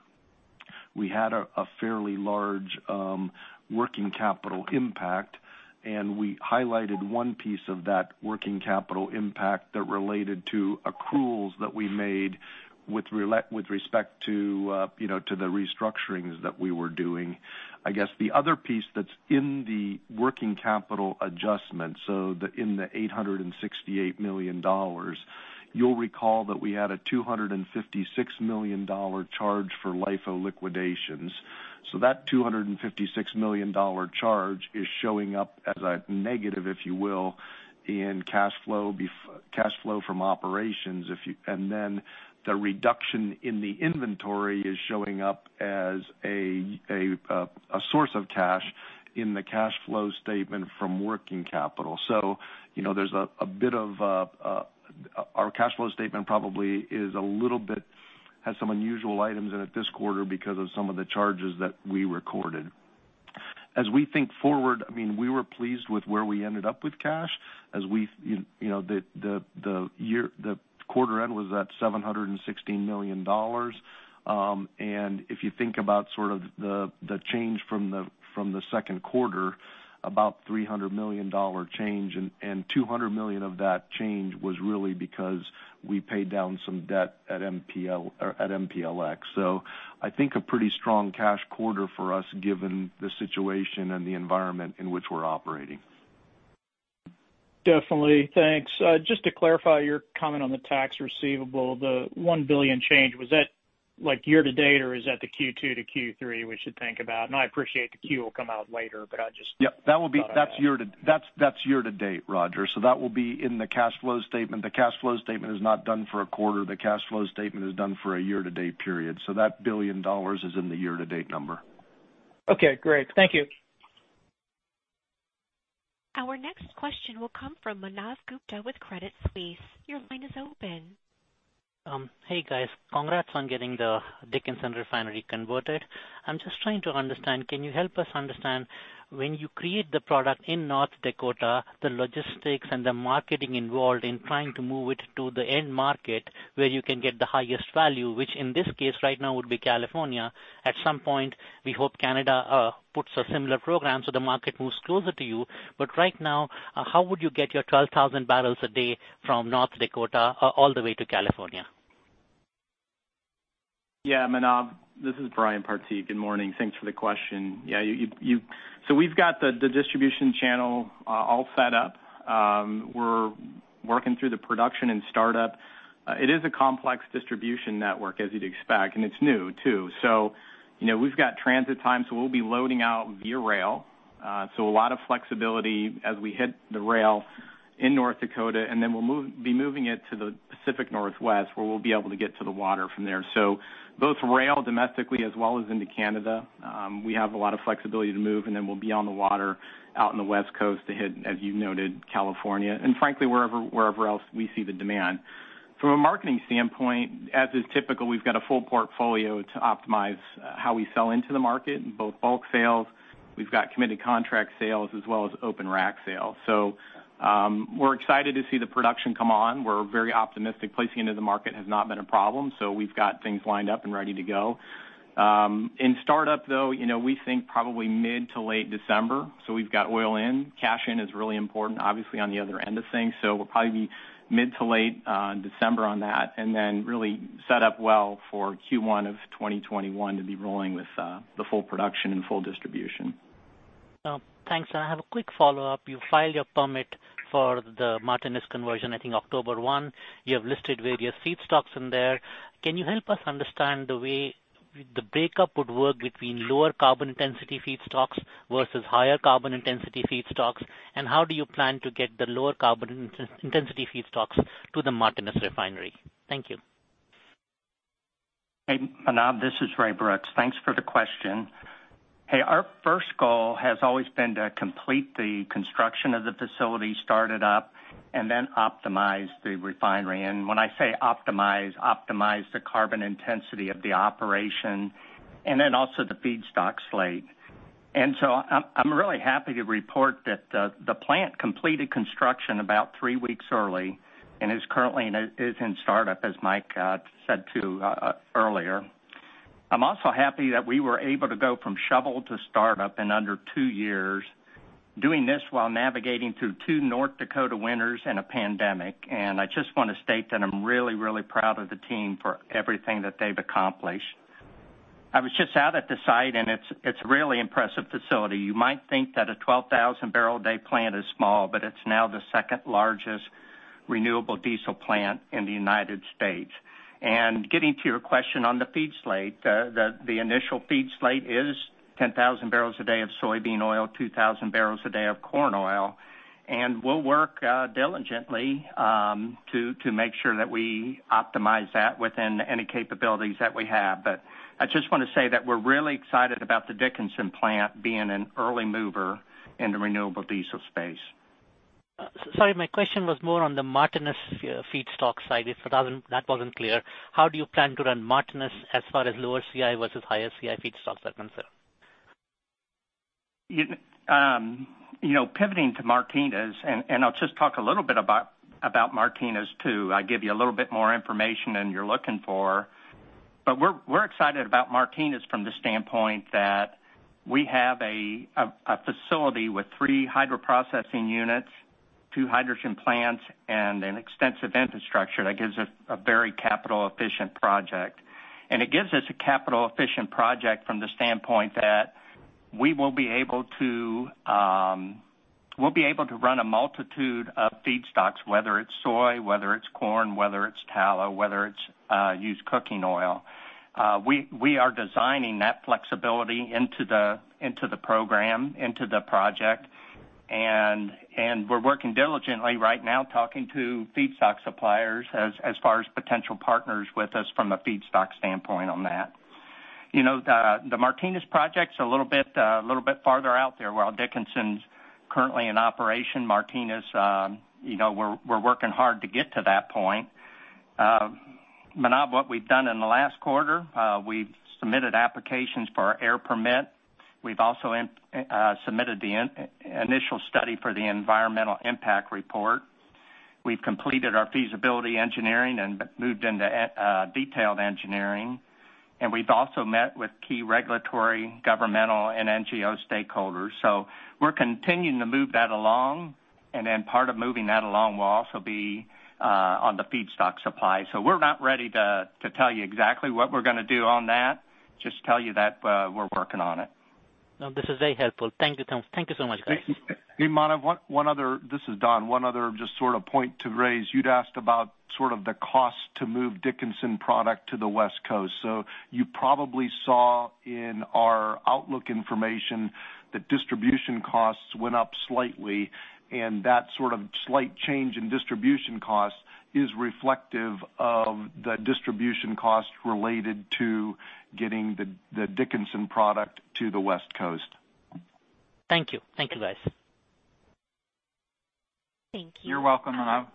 We had a fairly large working capital impact, and we highlighted one piece of that working capital impact that related to accruals that we made with respect to the restructurings that we were doing. I guess the other piece that's in the working capital adjustment, in the $868 million, you'll recall that we had a $256 million charge for LIFO liquidations. That $256 million charge is showing up as a negative, if you will, in cash flow from operations. The reduction in the inventory is showing up as a source of cash in the cash flow statement from working capital. Our cash flow statement probably has some unusual items in it this quarter because of some of the charges that we recorded. As we think forward, we were pleased with where we ended up with cash. The quarter end was at $716 million. If you think about the change from the second quarter, about $300 million change, and $200 million of that change was really because we paid down some debt at MPLX. I think a pretty strong cash quarter for us, given the situation and the environment in which we're operating. Definitely. Thanks. Just to clarify your comment on the tax receivable, the $1 billion change, was that year to date or is that the Q2-Q3 we should think about? I appreciate the Q will come out later. Yep. That's year to date, Roger. That will be in the cash flow statement. The cash flow statement is not done for a quarter. The cash flow statement is done for a year to date period. That $1 billion is in the year to date number. Okay, great. Thank you. Our next question will come from Manav Gupta with Credit Suisse. Your line is open. Hey, guys. Congrats on getting the Dickinson refinery converted. I'm just trying to understand, can you help us understand when you create the product in North Dakota, the logistics and the marketing involved in trying to move it to the end market where you can get the highest value, which in this case right now would be California. At some point, we hope Canada puts a similar program so the market moves closer to you. Right now, how would you get your 12,000 barrels a day from North Dakota all the way to California? Yeah, Manav, this is Brian Partee. Good morning. Thanks for the question. We've got the distribution channel all set up. We're working through the production and startup. It is a complex distribution network as you'd expect, and it's new too. We've got transit time, so we'll be loading out via rail. A lot of flexibility as we hit the rail in North Dakota, and then we'll be moving it to the Pacific Northwest, where we'll be able to get to the water from there. Both rail domestically as well as into Canada. We have a lot of flexibility to move and then we'll be on the water out in the West Coast to hit, as you noted, California, and frankly, wherever else we see the demand. From a marketing standpoint, as is typical, we've got a full portfolio to optimize how we sell into the market in both bulk sales, we've got committed contract sales, as well as open rack sales. We're excited to see the production come on. We're very optimistic. Placing into the market has not been a problem, we've got things lined up and ready to go. In startup, though, we think probably mid to late December. We've got oil in. Cash in is really important, obviously, on the other end of things. We'll probably be mid to late December on that and then really set up well for Q1 of 2021 to be rolling with the full production and full distribution. Thanks. I have a quick follow-up. You filed your permit for the Martinez conversion, I think October 1. You have listed various feedstocks in there. Can you help us understand the way the breakup would work between lower carbon intensity feedstocks versus higher carbon intensity feedstocks? How do you plan to get the lower carbon intensity feedstocks to the Martinez refinery? Thank you. Hey, Manav, this is Ray Brooks. Thanks for the question. Hey, our first goal has always been to complete the construction of the facility, start it up, then optimize the refinery. When I say optimize the carbon intensity of the operation then also the feedstock slate. I'm really happy to report that the plant completed construction about three weeks early and is currently in startup, as Mike said too earlier. I'm also happy that we were able to go from shovel to startup in under two years, doing this while navigating through two North Dakota winters and a pandemic. I just want to state that I'm really, really proud of the team for everything that they've accomplished. I was just out at the site, it's a really impressive facility. You might think that a 12,000-barrel-a-day plant is small, but it's now the second largest renewable diesel plant in the U.S. Getting to your question on the feed slate, the initial feed slate is 10,000 barrels a day of soybean oil, 2,000 barrels a day of corn oil. We'll work diligently to make sure that we optimize that within any capabilities that we have. I just want to say that we're really excited about the Dickinson Plant being an early mover in the renewable diesel space. Sorry, my question was more on the Martinez feedstock side, if that wasn't clear. How do you plan to run Martinez as far as lower CI versus higher CI feedstocks are concerned? Pivoting to Martinez, I'll just talk a little bit about Martinez, too. I'll give you a little bit more information than you're looking for. We're excited about Martinez from the standpoint that we have a facility with 3 hydroprocessing units, 2 hydrogen plants, and an extensive infrastructure that gives us a very capital-efficient project. It gives us a capital-efficient project from the standpoint that we'll be able to run a multitude of feedstocks, whether it's soy, whether it's corn, whether it's tallow, whether it's used cooking oil. We are designing that flexibility into the program, into the project, and we're working diligently right now, talking to feedstock suppliers as far as potential partners with us from a feedstock standpoint on that. The Martinez project's a little bit farther out there. While Dickinson's currently in operation, Martinez, we're working hard to get to that point. Manav, what we've done in the last quarter, we've submitted applications for our air permit. We've also submitted the initial study for the environmental impact report. We've completed our feasibility engineering and moved into detailed engineering, and we've also met with key regulatory, governmental, and NGO stakeholders. We're continuing to move that along, part of moving that along will also be on the feedstock supply. We're not ready to tell you exactly what we're going to do on that, just tell you that we're working on it. No, this is very helpful. Thank you so much, guys. Hey, Manav, this is Don. One other just sort of point to raise, you'd asked about sort of the cost to move Dickinson product to the West Coast. You probably saw in our outlook information that distribution costs went up slightly, and that sort of slight change in distribution cost is reflective of the distribution cost related to getting the Dickinson product to the West Coast. Thank you. Thank you, guys. Thank you. You're welcome, Manav.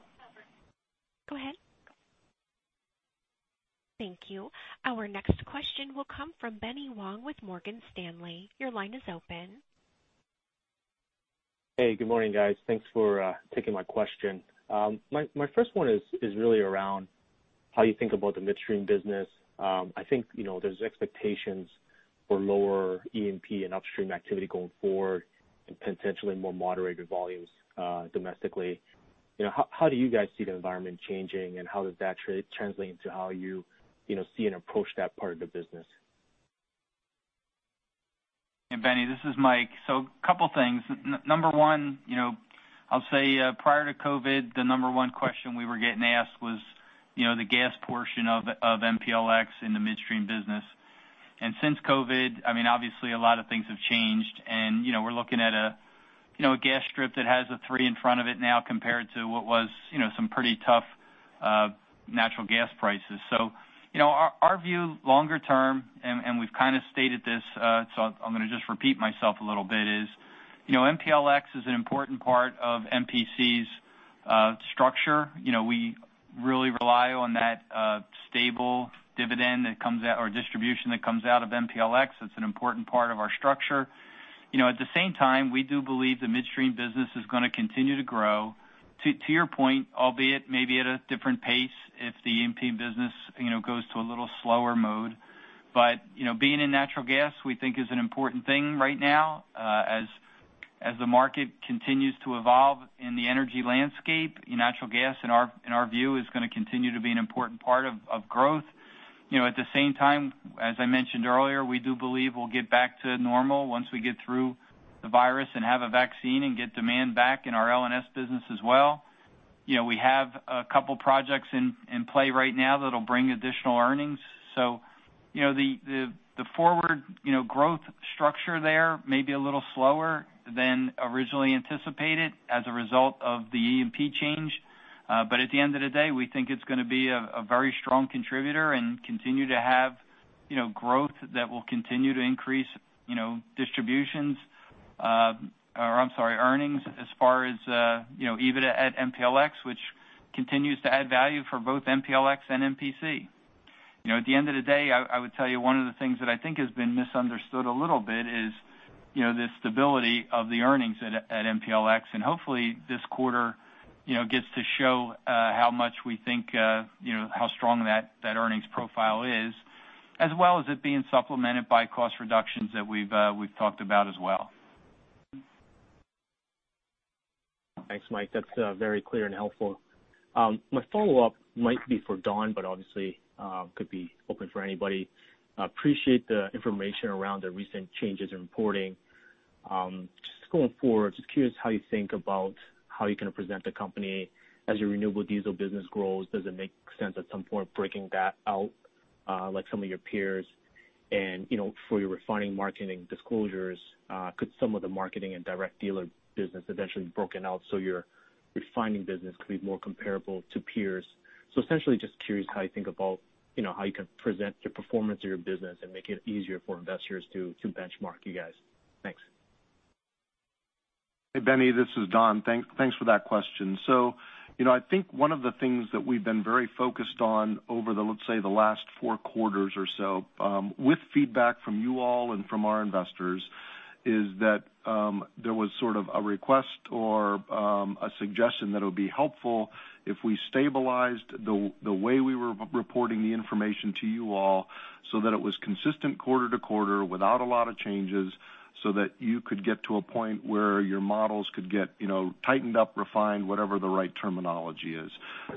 Go ahead. Thank you. Our next question will come from Benny Wong with Morgan Stanley. Your line is open. Hey, good morning, guys. Thanks for taking my question. My first one is really around how you think about the midstream business. I think there's expectations for lower E&P and upstream activity going forward and potentially more moderated volumes domestically. How do you guys see the environment changing, and how does that translate into how you see and approach that part of the business? Hey, Benny, this is Mike. A couple of things. Number one, I'll say prior to COVID, the number one question we were getting asked was the gas portion of MPLX in the midstream business. Since COVID, obviously a lot of things have changed and we're looking at a gas strip that has a three in front of it now compared to what was some pretty tough natural gas prices. Our view longer term, and we've kind of stated this, so I'm going to just repeat myself a little bit, is MPLX is an important part of MPC's structure. We really rely on that stable distribution that comes out of MPLX. It's an important part of our structure. At the same time, we do believe the midstream business is going to continue to grow, to your point, albeit maybe at a different pace if the E&P business goes to a little slower mode. Being in natural gas we think is an important thing right now as the market continues to evolve in the energy landscape. Natural gas, in our view, is going to continue to be an important part of growth. At the same time, as I mentioned earlier, we do believe we'll get back to normal once we get through the virus and have a vaccine and get demand back in our NGL business as well. We have a couple projects in play right now that'll bring additional earnings. The forward growth structure there may be a little slower than originally anticipated as a result of the E&P change. At the end of the day, we think it's going to be a very strong contributor and continue to have growth that will continue to increase earnings as far as EBITDA at MPLX, which continues to add value for both MPLX and MPC. At the end of the day, I would tell you one of the things that I think has been misunderstood a little bit is the stability of the earnings at MPLX. Hopefully, this quarter gets to show how strong that earnings profile is, as well as it being supplemented by cost reductions that we've talked about as well. Thanks, Mike. That's very clear and helpful. My follow-up might be for Don, but obviously could be open for anybody. Appreciate the information around the recent changes in reporting. Just going forward, just curious how you think about how you're going to present the company as your renewable diesel business grows. Does it make sense at some point breaking that out like some of your peers? For your refining marketing disclosures, could some of the marketing and direct dealer business eventually be broken out so your refining business could be more comparable to peers? Essentially, just curious how you think about how you can present the performance of your business and make it easier for investors to benchmark you guys. Thanks. Hey, Benny, this is Don. Thanks for that question. I think one of the things that we've been very focused on over the, let's say, the last four quarters or so, with feedback from you all and from our investors, is that there was sort of a request or a suggestion that it would be helpful if we stabilized the way we were reporting the information to you all so that it was consistent quarter-to-quarter without a lot of changes, so that you could get to a point where your models could get tightened up, refined, whatever the right terminology is.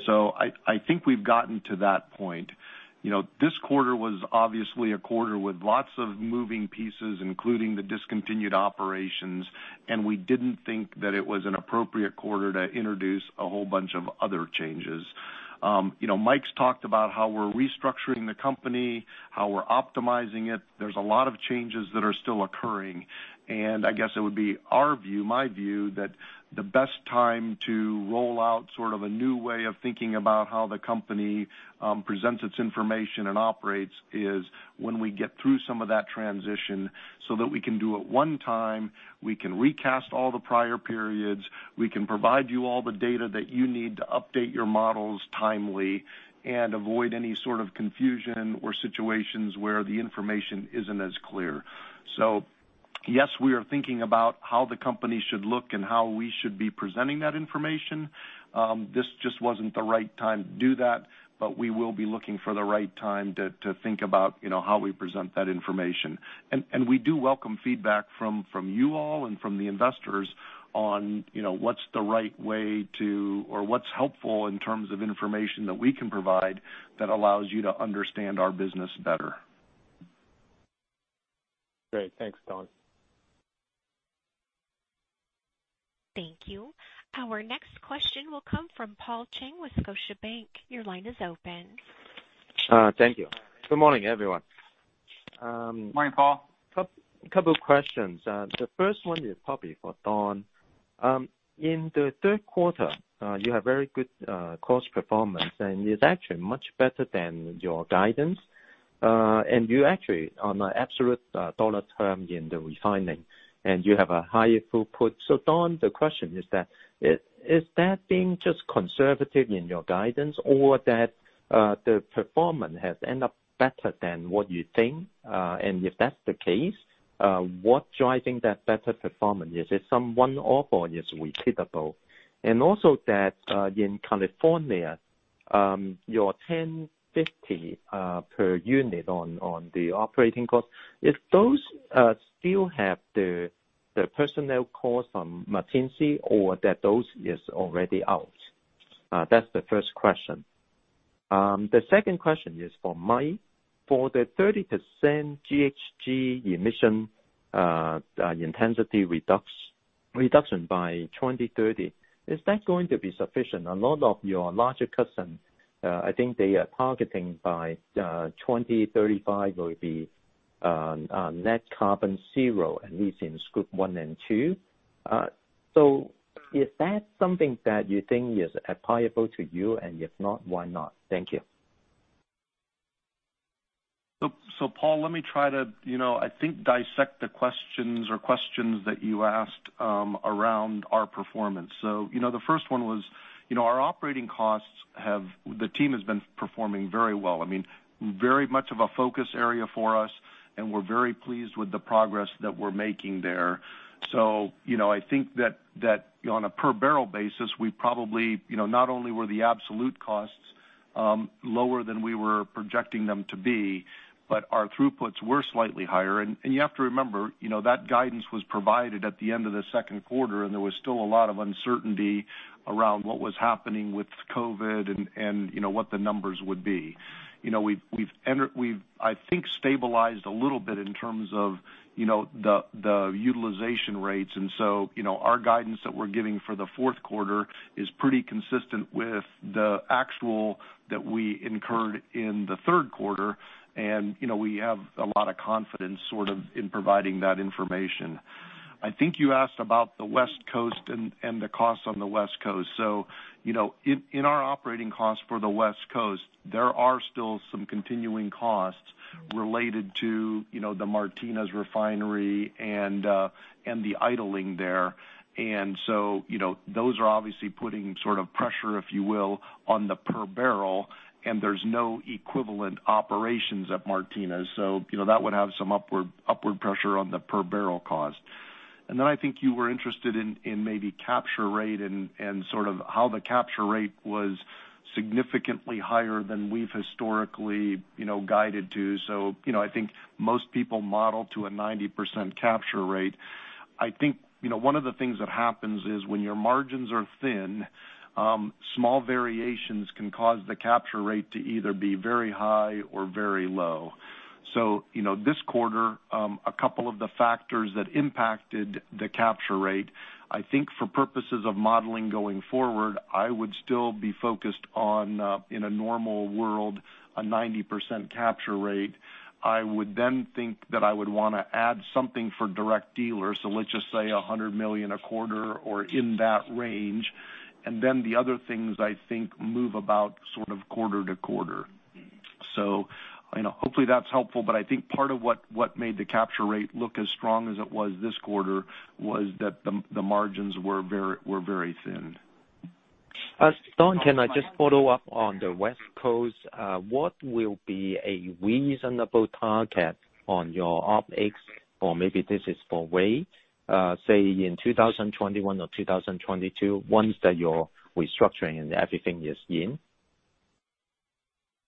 I think we've gotten to that point. This quarter was obviously a quarter with lots of moving pieces, including the discontinued operations, and we didn't think that it was an appropriate quarter to introduce a whole bunch of other changes. Mike's talked about how we're restructuring the company, how we're optimizing it. There's a lot of changes that are still occurring. I guess it would be our view, my view, that the best time to roll out sort of a new way of thinking about how the company presents its information and operates is when we get through some of that transition so that we can do it one time, we can recast all the prior periods, we can provide you all the data that you need to update your models timely and avoid any sort of confusion or situations where the information isn't as clear. Yes, we are thinking about how the company should look and how we should be presenting that information. This just wasn't the right time to do that. We will be looking for the right time to think about how we present that information. We do welcome feedback from you all and from the investors on what's the right way to, or what's helpful in terms of information that we can provide that allows you to understand our business better. Great. Thanks, Don. Thank you. Our next question will come from Paul Cheng with Scotiabank. Your line is open. Thank you. Good morning, everyone. Morning, Paul. Couple of questions. The first one is probably for Don. In the third quarter, you have very good cost performance. It's actually much better than your guidance. You actually are on an absolute dollar term in the refining, and you have a higher throughput. Don, the question is that, is that being just conservative in your guidance or that the performance has ended up better than what you think? If that's the case, what's driving that better performance? Is it some one-off or is it repeatable? Also that in California, your $10.50 per unit on the operating cost, if those still have the personnel cost on Martinez or that those is already out? That's the first question. The second question is for Mike. For the 30% GHG emission intensity reduction by 2030, is that going to be sufficient? A lot of your larger customers, I think they are targeting by 2035 will be net carbon zero, at least in scope one and two. Is that something that you think is applicable to you, and if not, why not? Thank you. Paul, let me try to, I think dissect the questions that you asked around our performance. The first one was, our operating costs, the team has been performing very well. I mean, very much of a focus area for us, and we're very pleased with the progress that we're making there. I think that on a per barrel basis, we probably not only were the absolute costs lower than we were projecting them to be, but our throughputs were slightly higher. You have to remember, that guidance was provided at the end of the second quarter, and there was still a lot of uncertainty around what was happening with COVID and what the numbers would be. We've, I think, stabilized a little bit in terms of the utilization rates. Our guidance that we're giving for the fourth quarter is pretty consistent with the actual that we incurred in the third quarter. We have a lot of confidence sort of in providing that information. I think you asked about the West Coast and the cost on the West Coast. In our operating costs for the West Coast, there are still some continuing costs related to the Martinez Refinery and the idling there. Those are obviously putting sort of pressure, if you will, on the per barrel, and there's no equivalent operations at Martinez. That would have some upward pressure on the per barrel cost. I think you were interested in maybe capture rate and sort of how the capture rate was significantly higher than we've historically guided to. I think most people model to a 90% capture rate. I think one of the things that happens is when your margins are thin, small variations can cause the capture rate to either be very high or very low. This quarter, a couple of the factors that impacted the capture rate, I think for purposes of modeling going forward, I would still be focused on, in a normal world, a 90% capture rate. I would then think that I would want to add something for direct dealers. Let's just say $100 million a quarter or in that range. The other things I think move about sort of quarter-to-quarter. Hopefully that's helpful. I think part of what made the capture rate look as strong as it was this quarter was that the margins were very thin. Don, can I just follow up on the West Coast? What will be a reasonable target on your OpEx? Or maybe this is for Ray. Say, in 2021 or 2022, once that you're restructuring and everything is in.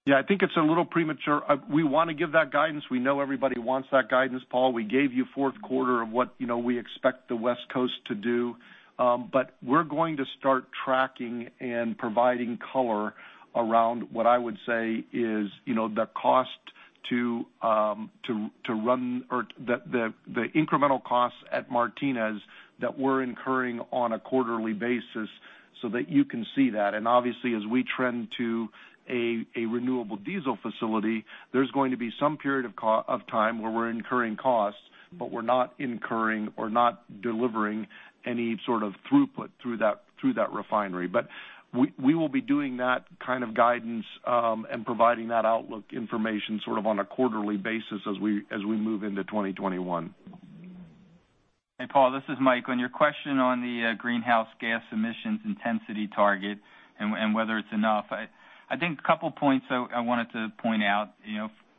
I think it's a little premature. We want to give that guidance. We know everybody wants that guidance, Paul. We gave you fourth quarter of what we expect the West Coast to do. We're going to start tracking and providing color around what I would say is the incremental costs at Martinez that we're incurring on a quarterly basis so that you can see that. Obviously, as we trend to a renewable diesel facility, there's going to be some period of time where we're incurring costs, but we're not incurring or not delivering any sort of throughput through that refinery. We will be doing that kind of guidance, and providing that outlook information sort of on a quarterly basis as we move into 2021. Hey, Paul, this is Mike. On your question on the greenhouse gas emissions intensity target and whether it's enough, I think a couple points I wanted to point out.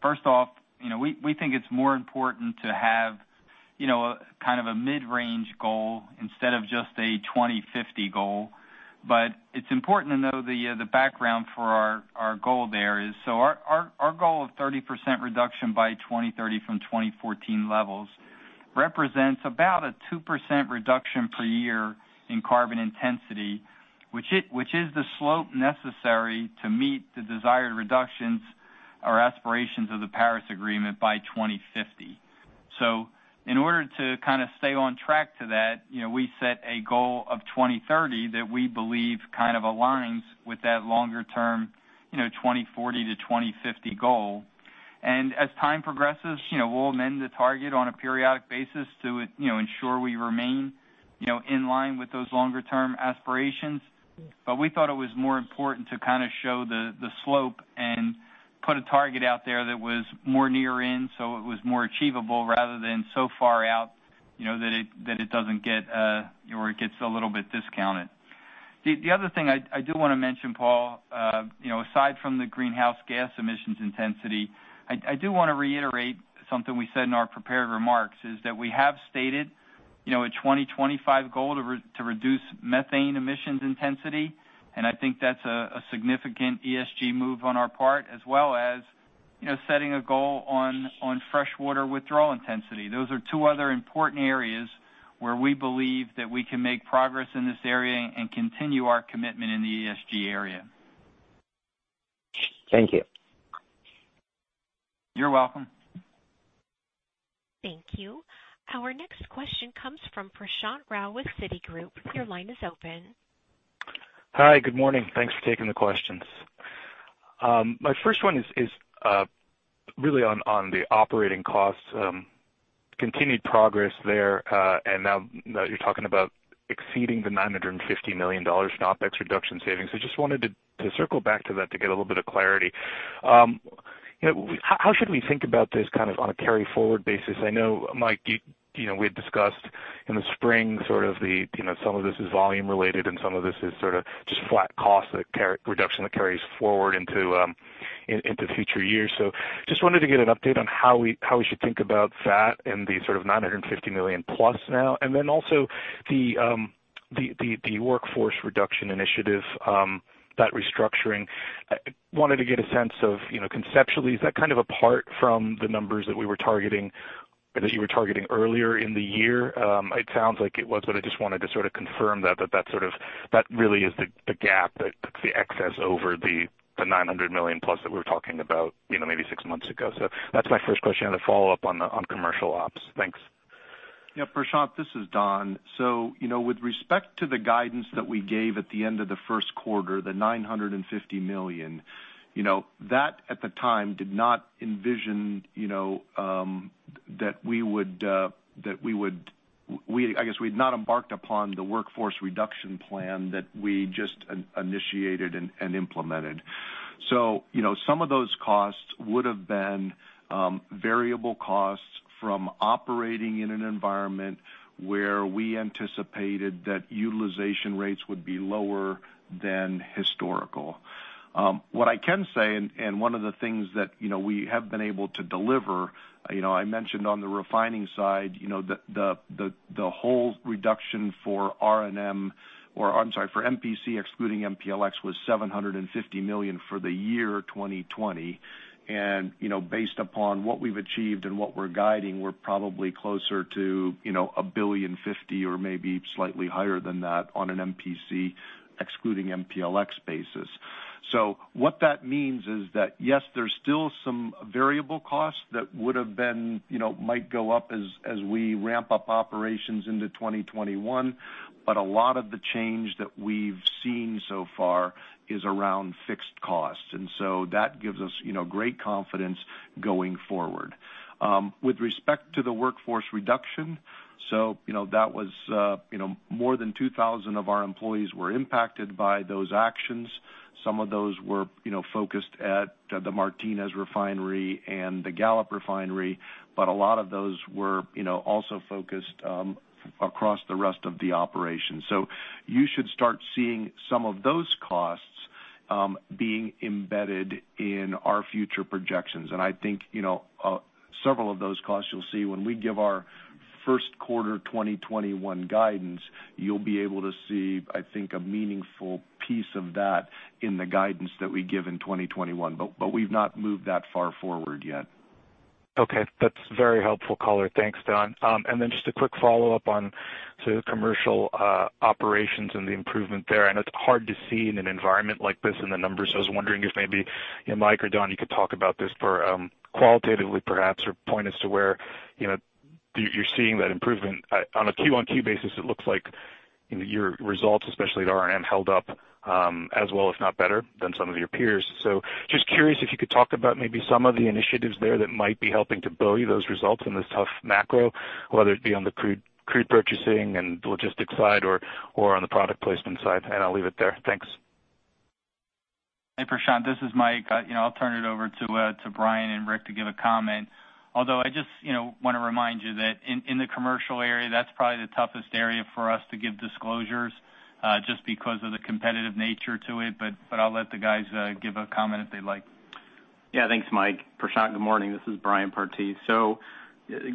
First off, we think it's more important to have kind of a mid-range goal instead of just a 2050 goal. It's important to know the background for our goal there is. Our goal of 30% reduction by 2030 from 2014 levels represents about a 2% reduction per year in carbon intensity, which is the slope necessary to meet the desired reductions or aspirations of the Paris Agreement by 2050. In order to kind of stay on track to that, we set a goal of 2030 that we believe kind of aligns with that longer term, 2040-2050 goal. As time progresses, we'll amend the target on a periodic basis to ensure we remain in line with those longer-term aspirations. We thought it was more important to kind of show the slope and put a target out there that was more near-in, so it was more achievable rather than so far out, that it gets a little bit discounted. The other thing I do want to mention, Paul, aside from the greenhouse gas emissions intensity, I do want to reiterate something we said in our prepared remarks, is that we have stated a 2025 goal to reduce methane emissions intensity, and I think that's a significant ESG move on our part, as well as setting a goal on freshwater withdrawal intensity. Those are two other important areas where we believe that we can make progress in this area and continue our commitment in the ESG area. Thank you. You're welcome. Thank you. Our next question comes from Prashant Rao with Citigroup. Your line is open. Hi, good morning. Thanks for taking the questions. My first one is really on the operating costs, continued progress there. Now that you're talking about exceeding the $950 million OpEx reduction savings. I just wanted to circle back to that to get a little bit of clarity. How should we think about this kind of on a carry forward basis? I know, Mike, we had discussed in the spring sort of some of this is volume related and some of this is sort of just flat cost reduction that carries forward into future years. Just wanted to get an update on how we should think about that and the sort of $950 million plus now. Also the workforce reduction initiative, that restructuring. I wanted to get a sense of conceptually, is that kind of apart from the numbers that you were targeting earlier in the year? It sounds like it was, but I just wanted to sort of confirm that really is the gap that the excess over the $900 million plus that we were talking about maybe six months ago. That's my first question, and a follow-up on commercial ops. Thanks. Yeah, Prashant, this is Don. With respect to the guidance that we gave at the end of the first quarter, the $950 million. That at the time did not envision that I guess we'd not embarked upon the workforce reduction plan that we just initiated and implemented. Some of those costs would have been variable costs from operating in an environment where we anticipated that utilization rates would be lower than historical. What I can say, and one of the things, we have been able to deliver. I mentioned on the refining side the whole reduction for R&M, or I'm sorry, for MPC excluding MPLX was $750 million for the year 2020. Based upon what we've achieved and what we're guiding, we're probably closer to $1.5 billion or maybe slightly higher than that on an MPC excluding MPLX basis. What that means is that, yes, there's still some variable costs that might go up as we ramp up operations into 2021. But a lot of the change that we've seen so far is around fixed costs, and so that gives us great confidence going forward. With respect to the workforce reduction, more than 2,000 of our employees were impacted by those actions. Some of those were focused at the Martinez refinery and the Gallup refinery, but a lot of those were also focused across the rest of the operation. You should start seeing some of those costs being embedded in our future projections. I think several of those costs you'll see when we give our first quarter 2021 guidance, you'll be able to see, I think, a meaningful piece of that in the guidance that we give in 2021. We've not moved that far forward yet. Okay. That's very helpful color. Thanks, Don. Just a quick follow-up on the commercial operations and the improvement there. I know it's hard to see in an environment like this in the numbers, so I was wondering if maybe, Mike or Don, you could talk about this qualitatively perhaps, or point us to where you're seeing that improvement. On a Q-on-Q basis, it looks like your results, especially at R&M, held up as well if not better than some of your peers. Just curious if you could talk about maybe some of the initiatives there that might be helping to buoy those results in this tough macro, whether it be on the crude purchasing and logistics side or on the product placement side. I'll leave it there. Thanks. Hey, Prashant, this is Mike. I'll turn it over to Brian and Rick to give a comment. I just want to remind you that in the commercial area, that's probably the toughest area for us to give disclosures, just because of the competitive nature to it. I'll let the guys give a comment if they'd like. Yeah, thanks, Mike. Prashant, good morning. This is Brian Partee.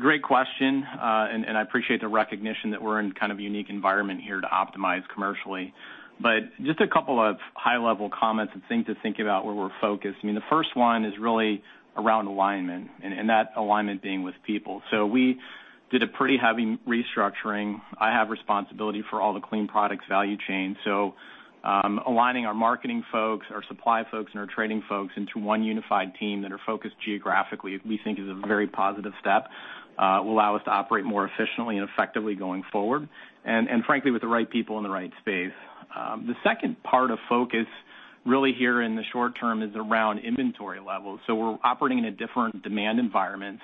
Great question, and I appreciate the recognition that we're in kind of unique environment here to optimize commercially. Just a couple of high-level comments and things to think about where we're focused. The first one is really around alignment, and that alignment being with people. We did a pretty heavy restructuring. I have responsibility for all the clean products value chain. Aligning our marketing folks, our supply folks, and our trading folks into one unified team that are focused geographically, we think is a very positive step. Will allow us to operate more efficiently and effectively going forward, and frankly, with the right people in the right space. The second part of focus really here in the short term is around inventory levels. We're operating in a different demand environment.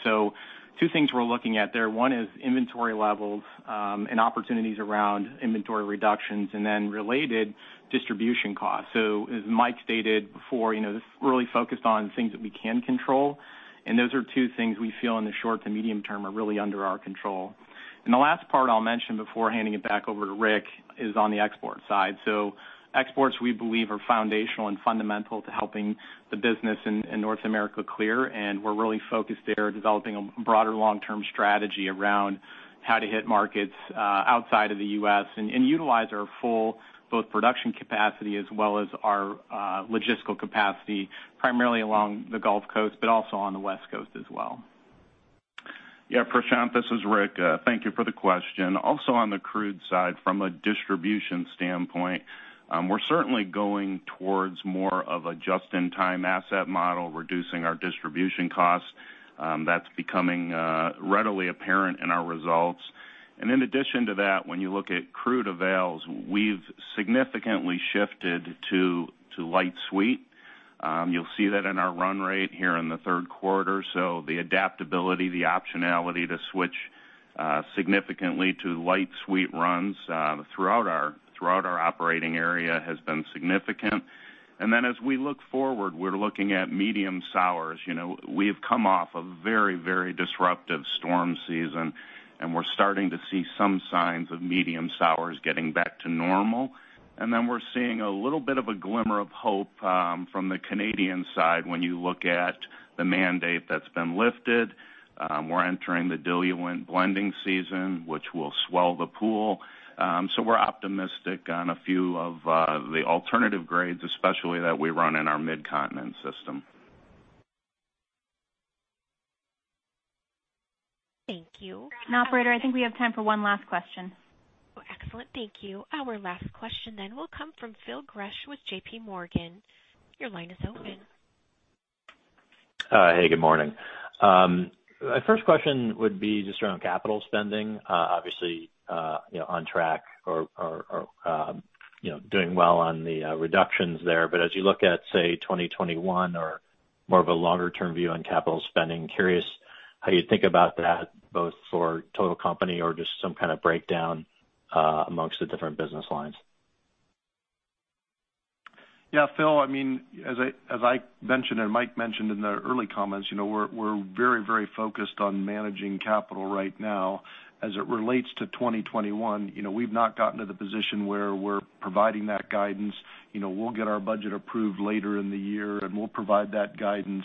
Two things we're looking at there. One is inventory levels and opportunities around inventory reductions, and then related distribution costs. As Mike stated before, this really focused on things that we can control, and those are two things we feel in the short to medium term are really under our control. The last part I'll mention before handing it back over to Rick is on the export side. Exports, we believe are foundational and fundamental to helping the business in North America clear, and we're really focused there developing a broader long-term strategy around how to hit markets outside of the U.S. and utilize our full both production capacity as well as our logistical capacity, primarily along the Gulf Coast, but also on the West Coast as well. Prashant, this is Rick. Thank you for the question. Also on the crude side, from a distribution standpoint, we're certainly going towards more of a just-in-time asset model, reducing our distribution costs. That's becoming readily apparent in our results. In addition to that, when you look at crude avails, we've significantly shifted to light sweet. You'll see that in our run rate here in the third quarter. As we look forward, we're looking at medium sours. We have come off a very disruptive storm season, and we're starting to see some signs of medium sours getting back to normal. We're seeing a little bit of a glimmer of hope from the Canadian side when you look at the mandate that's been lifted. We're entering the diluent blending season, which will swell the pool. We're optimistic on a few of the alternative grades, especially that we run in our Midcontinent system. Thank you. Operator, I think we have time for one last question. Excellent. Thank you. Our last question then will come from Phil Gresh with JPMorgan. Your line is open. Hey, good morning. My first question would be just around capital spending. Obviously on track or doing well on the reductions there. As you look at, say, 2021 or more of a longer-term view on capital spending, curious how you think about that, both for total company or just some kind of breakdown amongst the different business lines. Yeah, Phil, as I mentioned and Mike mentioned in the early comments, we're very focused on managing capital right now. As it relates to 2021, we've not gotten to the position where we're providing that guidance. We'll get our budget approved later in the year, and we'll provide that guidance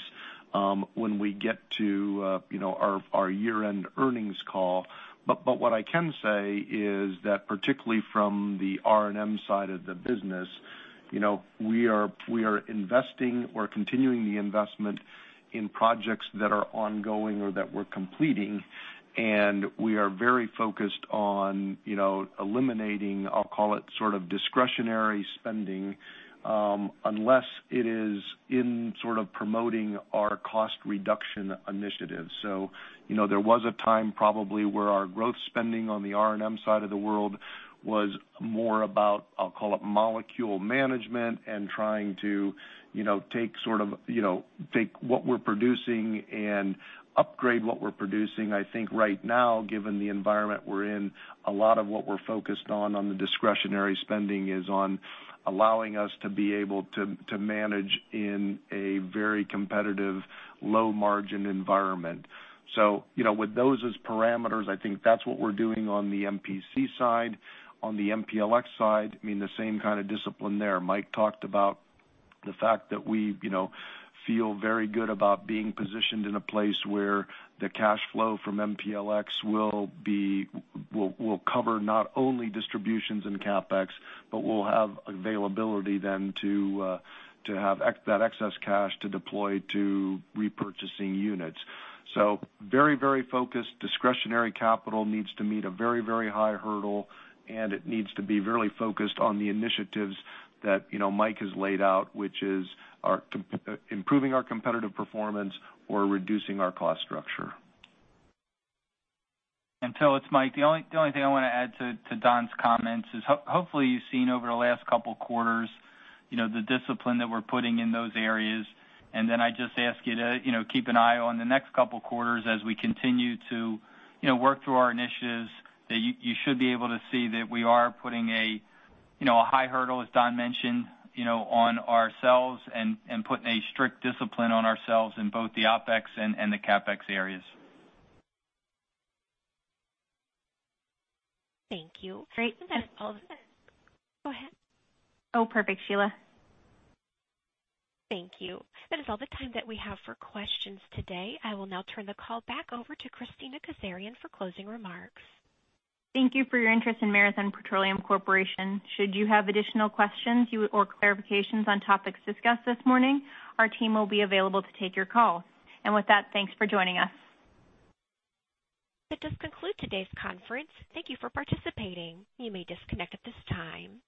when we get to our year-end earnings call. What I can say is that particularly from the R&M side of the business. We are investing or continuing the investment in projects that are ongoing or that we're completing, and we are very focused on eliminating, I'll call it, discretionary spending, unless it is in promoting our cost reduction initiatives. There was a time probably where our growth spending on the R&M side of the world was more about, I'll call it molecule management and trying to take what we're producing and upgrade what we're producing. I think right now, given the environment we're in, a lot of what we're focused on the discretionary spending is on allowing us to be able to manage in a very competitive, low-margin environment. With those as parameters, I think that's what we're doing on the MPC side. On the MPLX side, the same kind of discipline there. Mike talked about the fact that we feel very good about being positioned in a place where the cash flow from MPLX will cover not only distributions in CapEx, but we'll have availability then to have that excess cash to deploy to repurchasing units. Very focused. Discretionary capital needs to meet a very high hurdle, and it needs to be really focused on the initiatives that Mike has laid out, which is improving our competitive performance or reducing our cost structure. It's Mike. The only thing I want to add to Don's comments is hopefully you've seen over the last couple of quarters the discipline that we're putting in those areas, and then I just ask you to keep an eye on the next couple of quarters as we continue to work through our initiatives, that you should be able to see that we are putting a high hurdle, as Don mentioned, on ourselves and putting a strict discipline on ourselves in both the OpEx and the CapEx areas. Thank you. Great. Go ahead. Oh, perfect, Sheila. Thank you. That is all the time that we have for questions today. I will now turn the call back over to Kristina Kazarian for closing remarks. Thank you for your interest in Marathon Petroleum Corporation. Should you have additional questions or clarifications on topics discussed this morning, our team will be available to take your call. With that, thanks for joining us. That does conclude today's conference. Thank you for participating. You may disconnect at this time.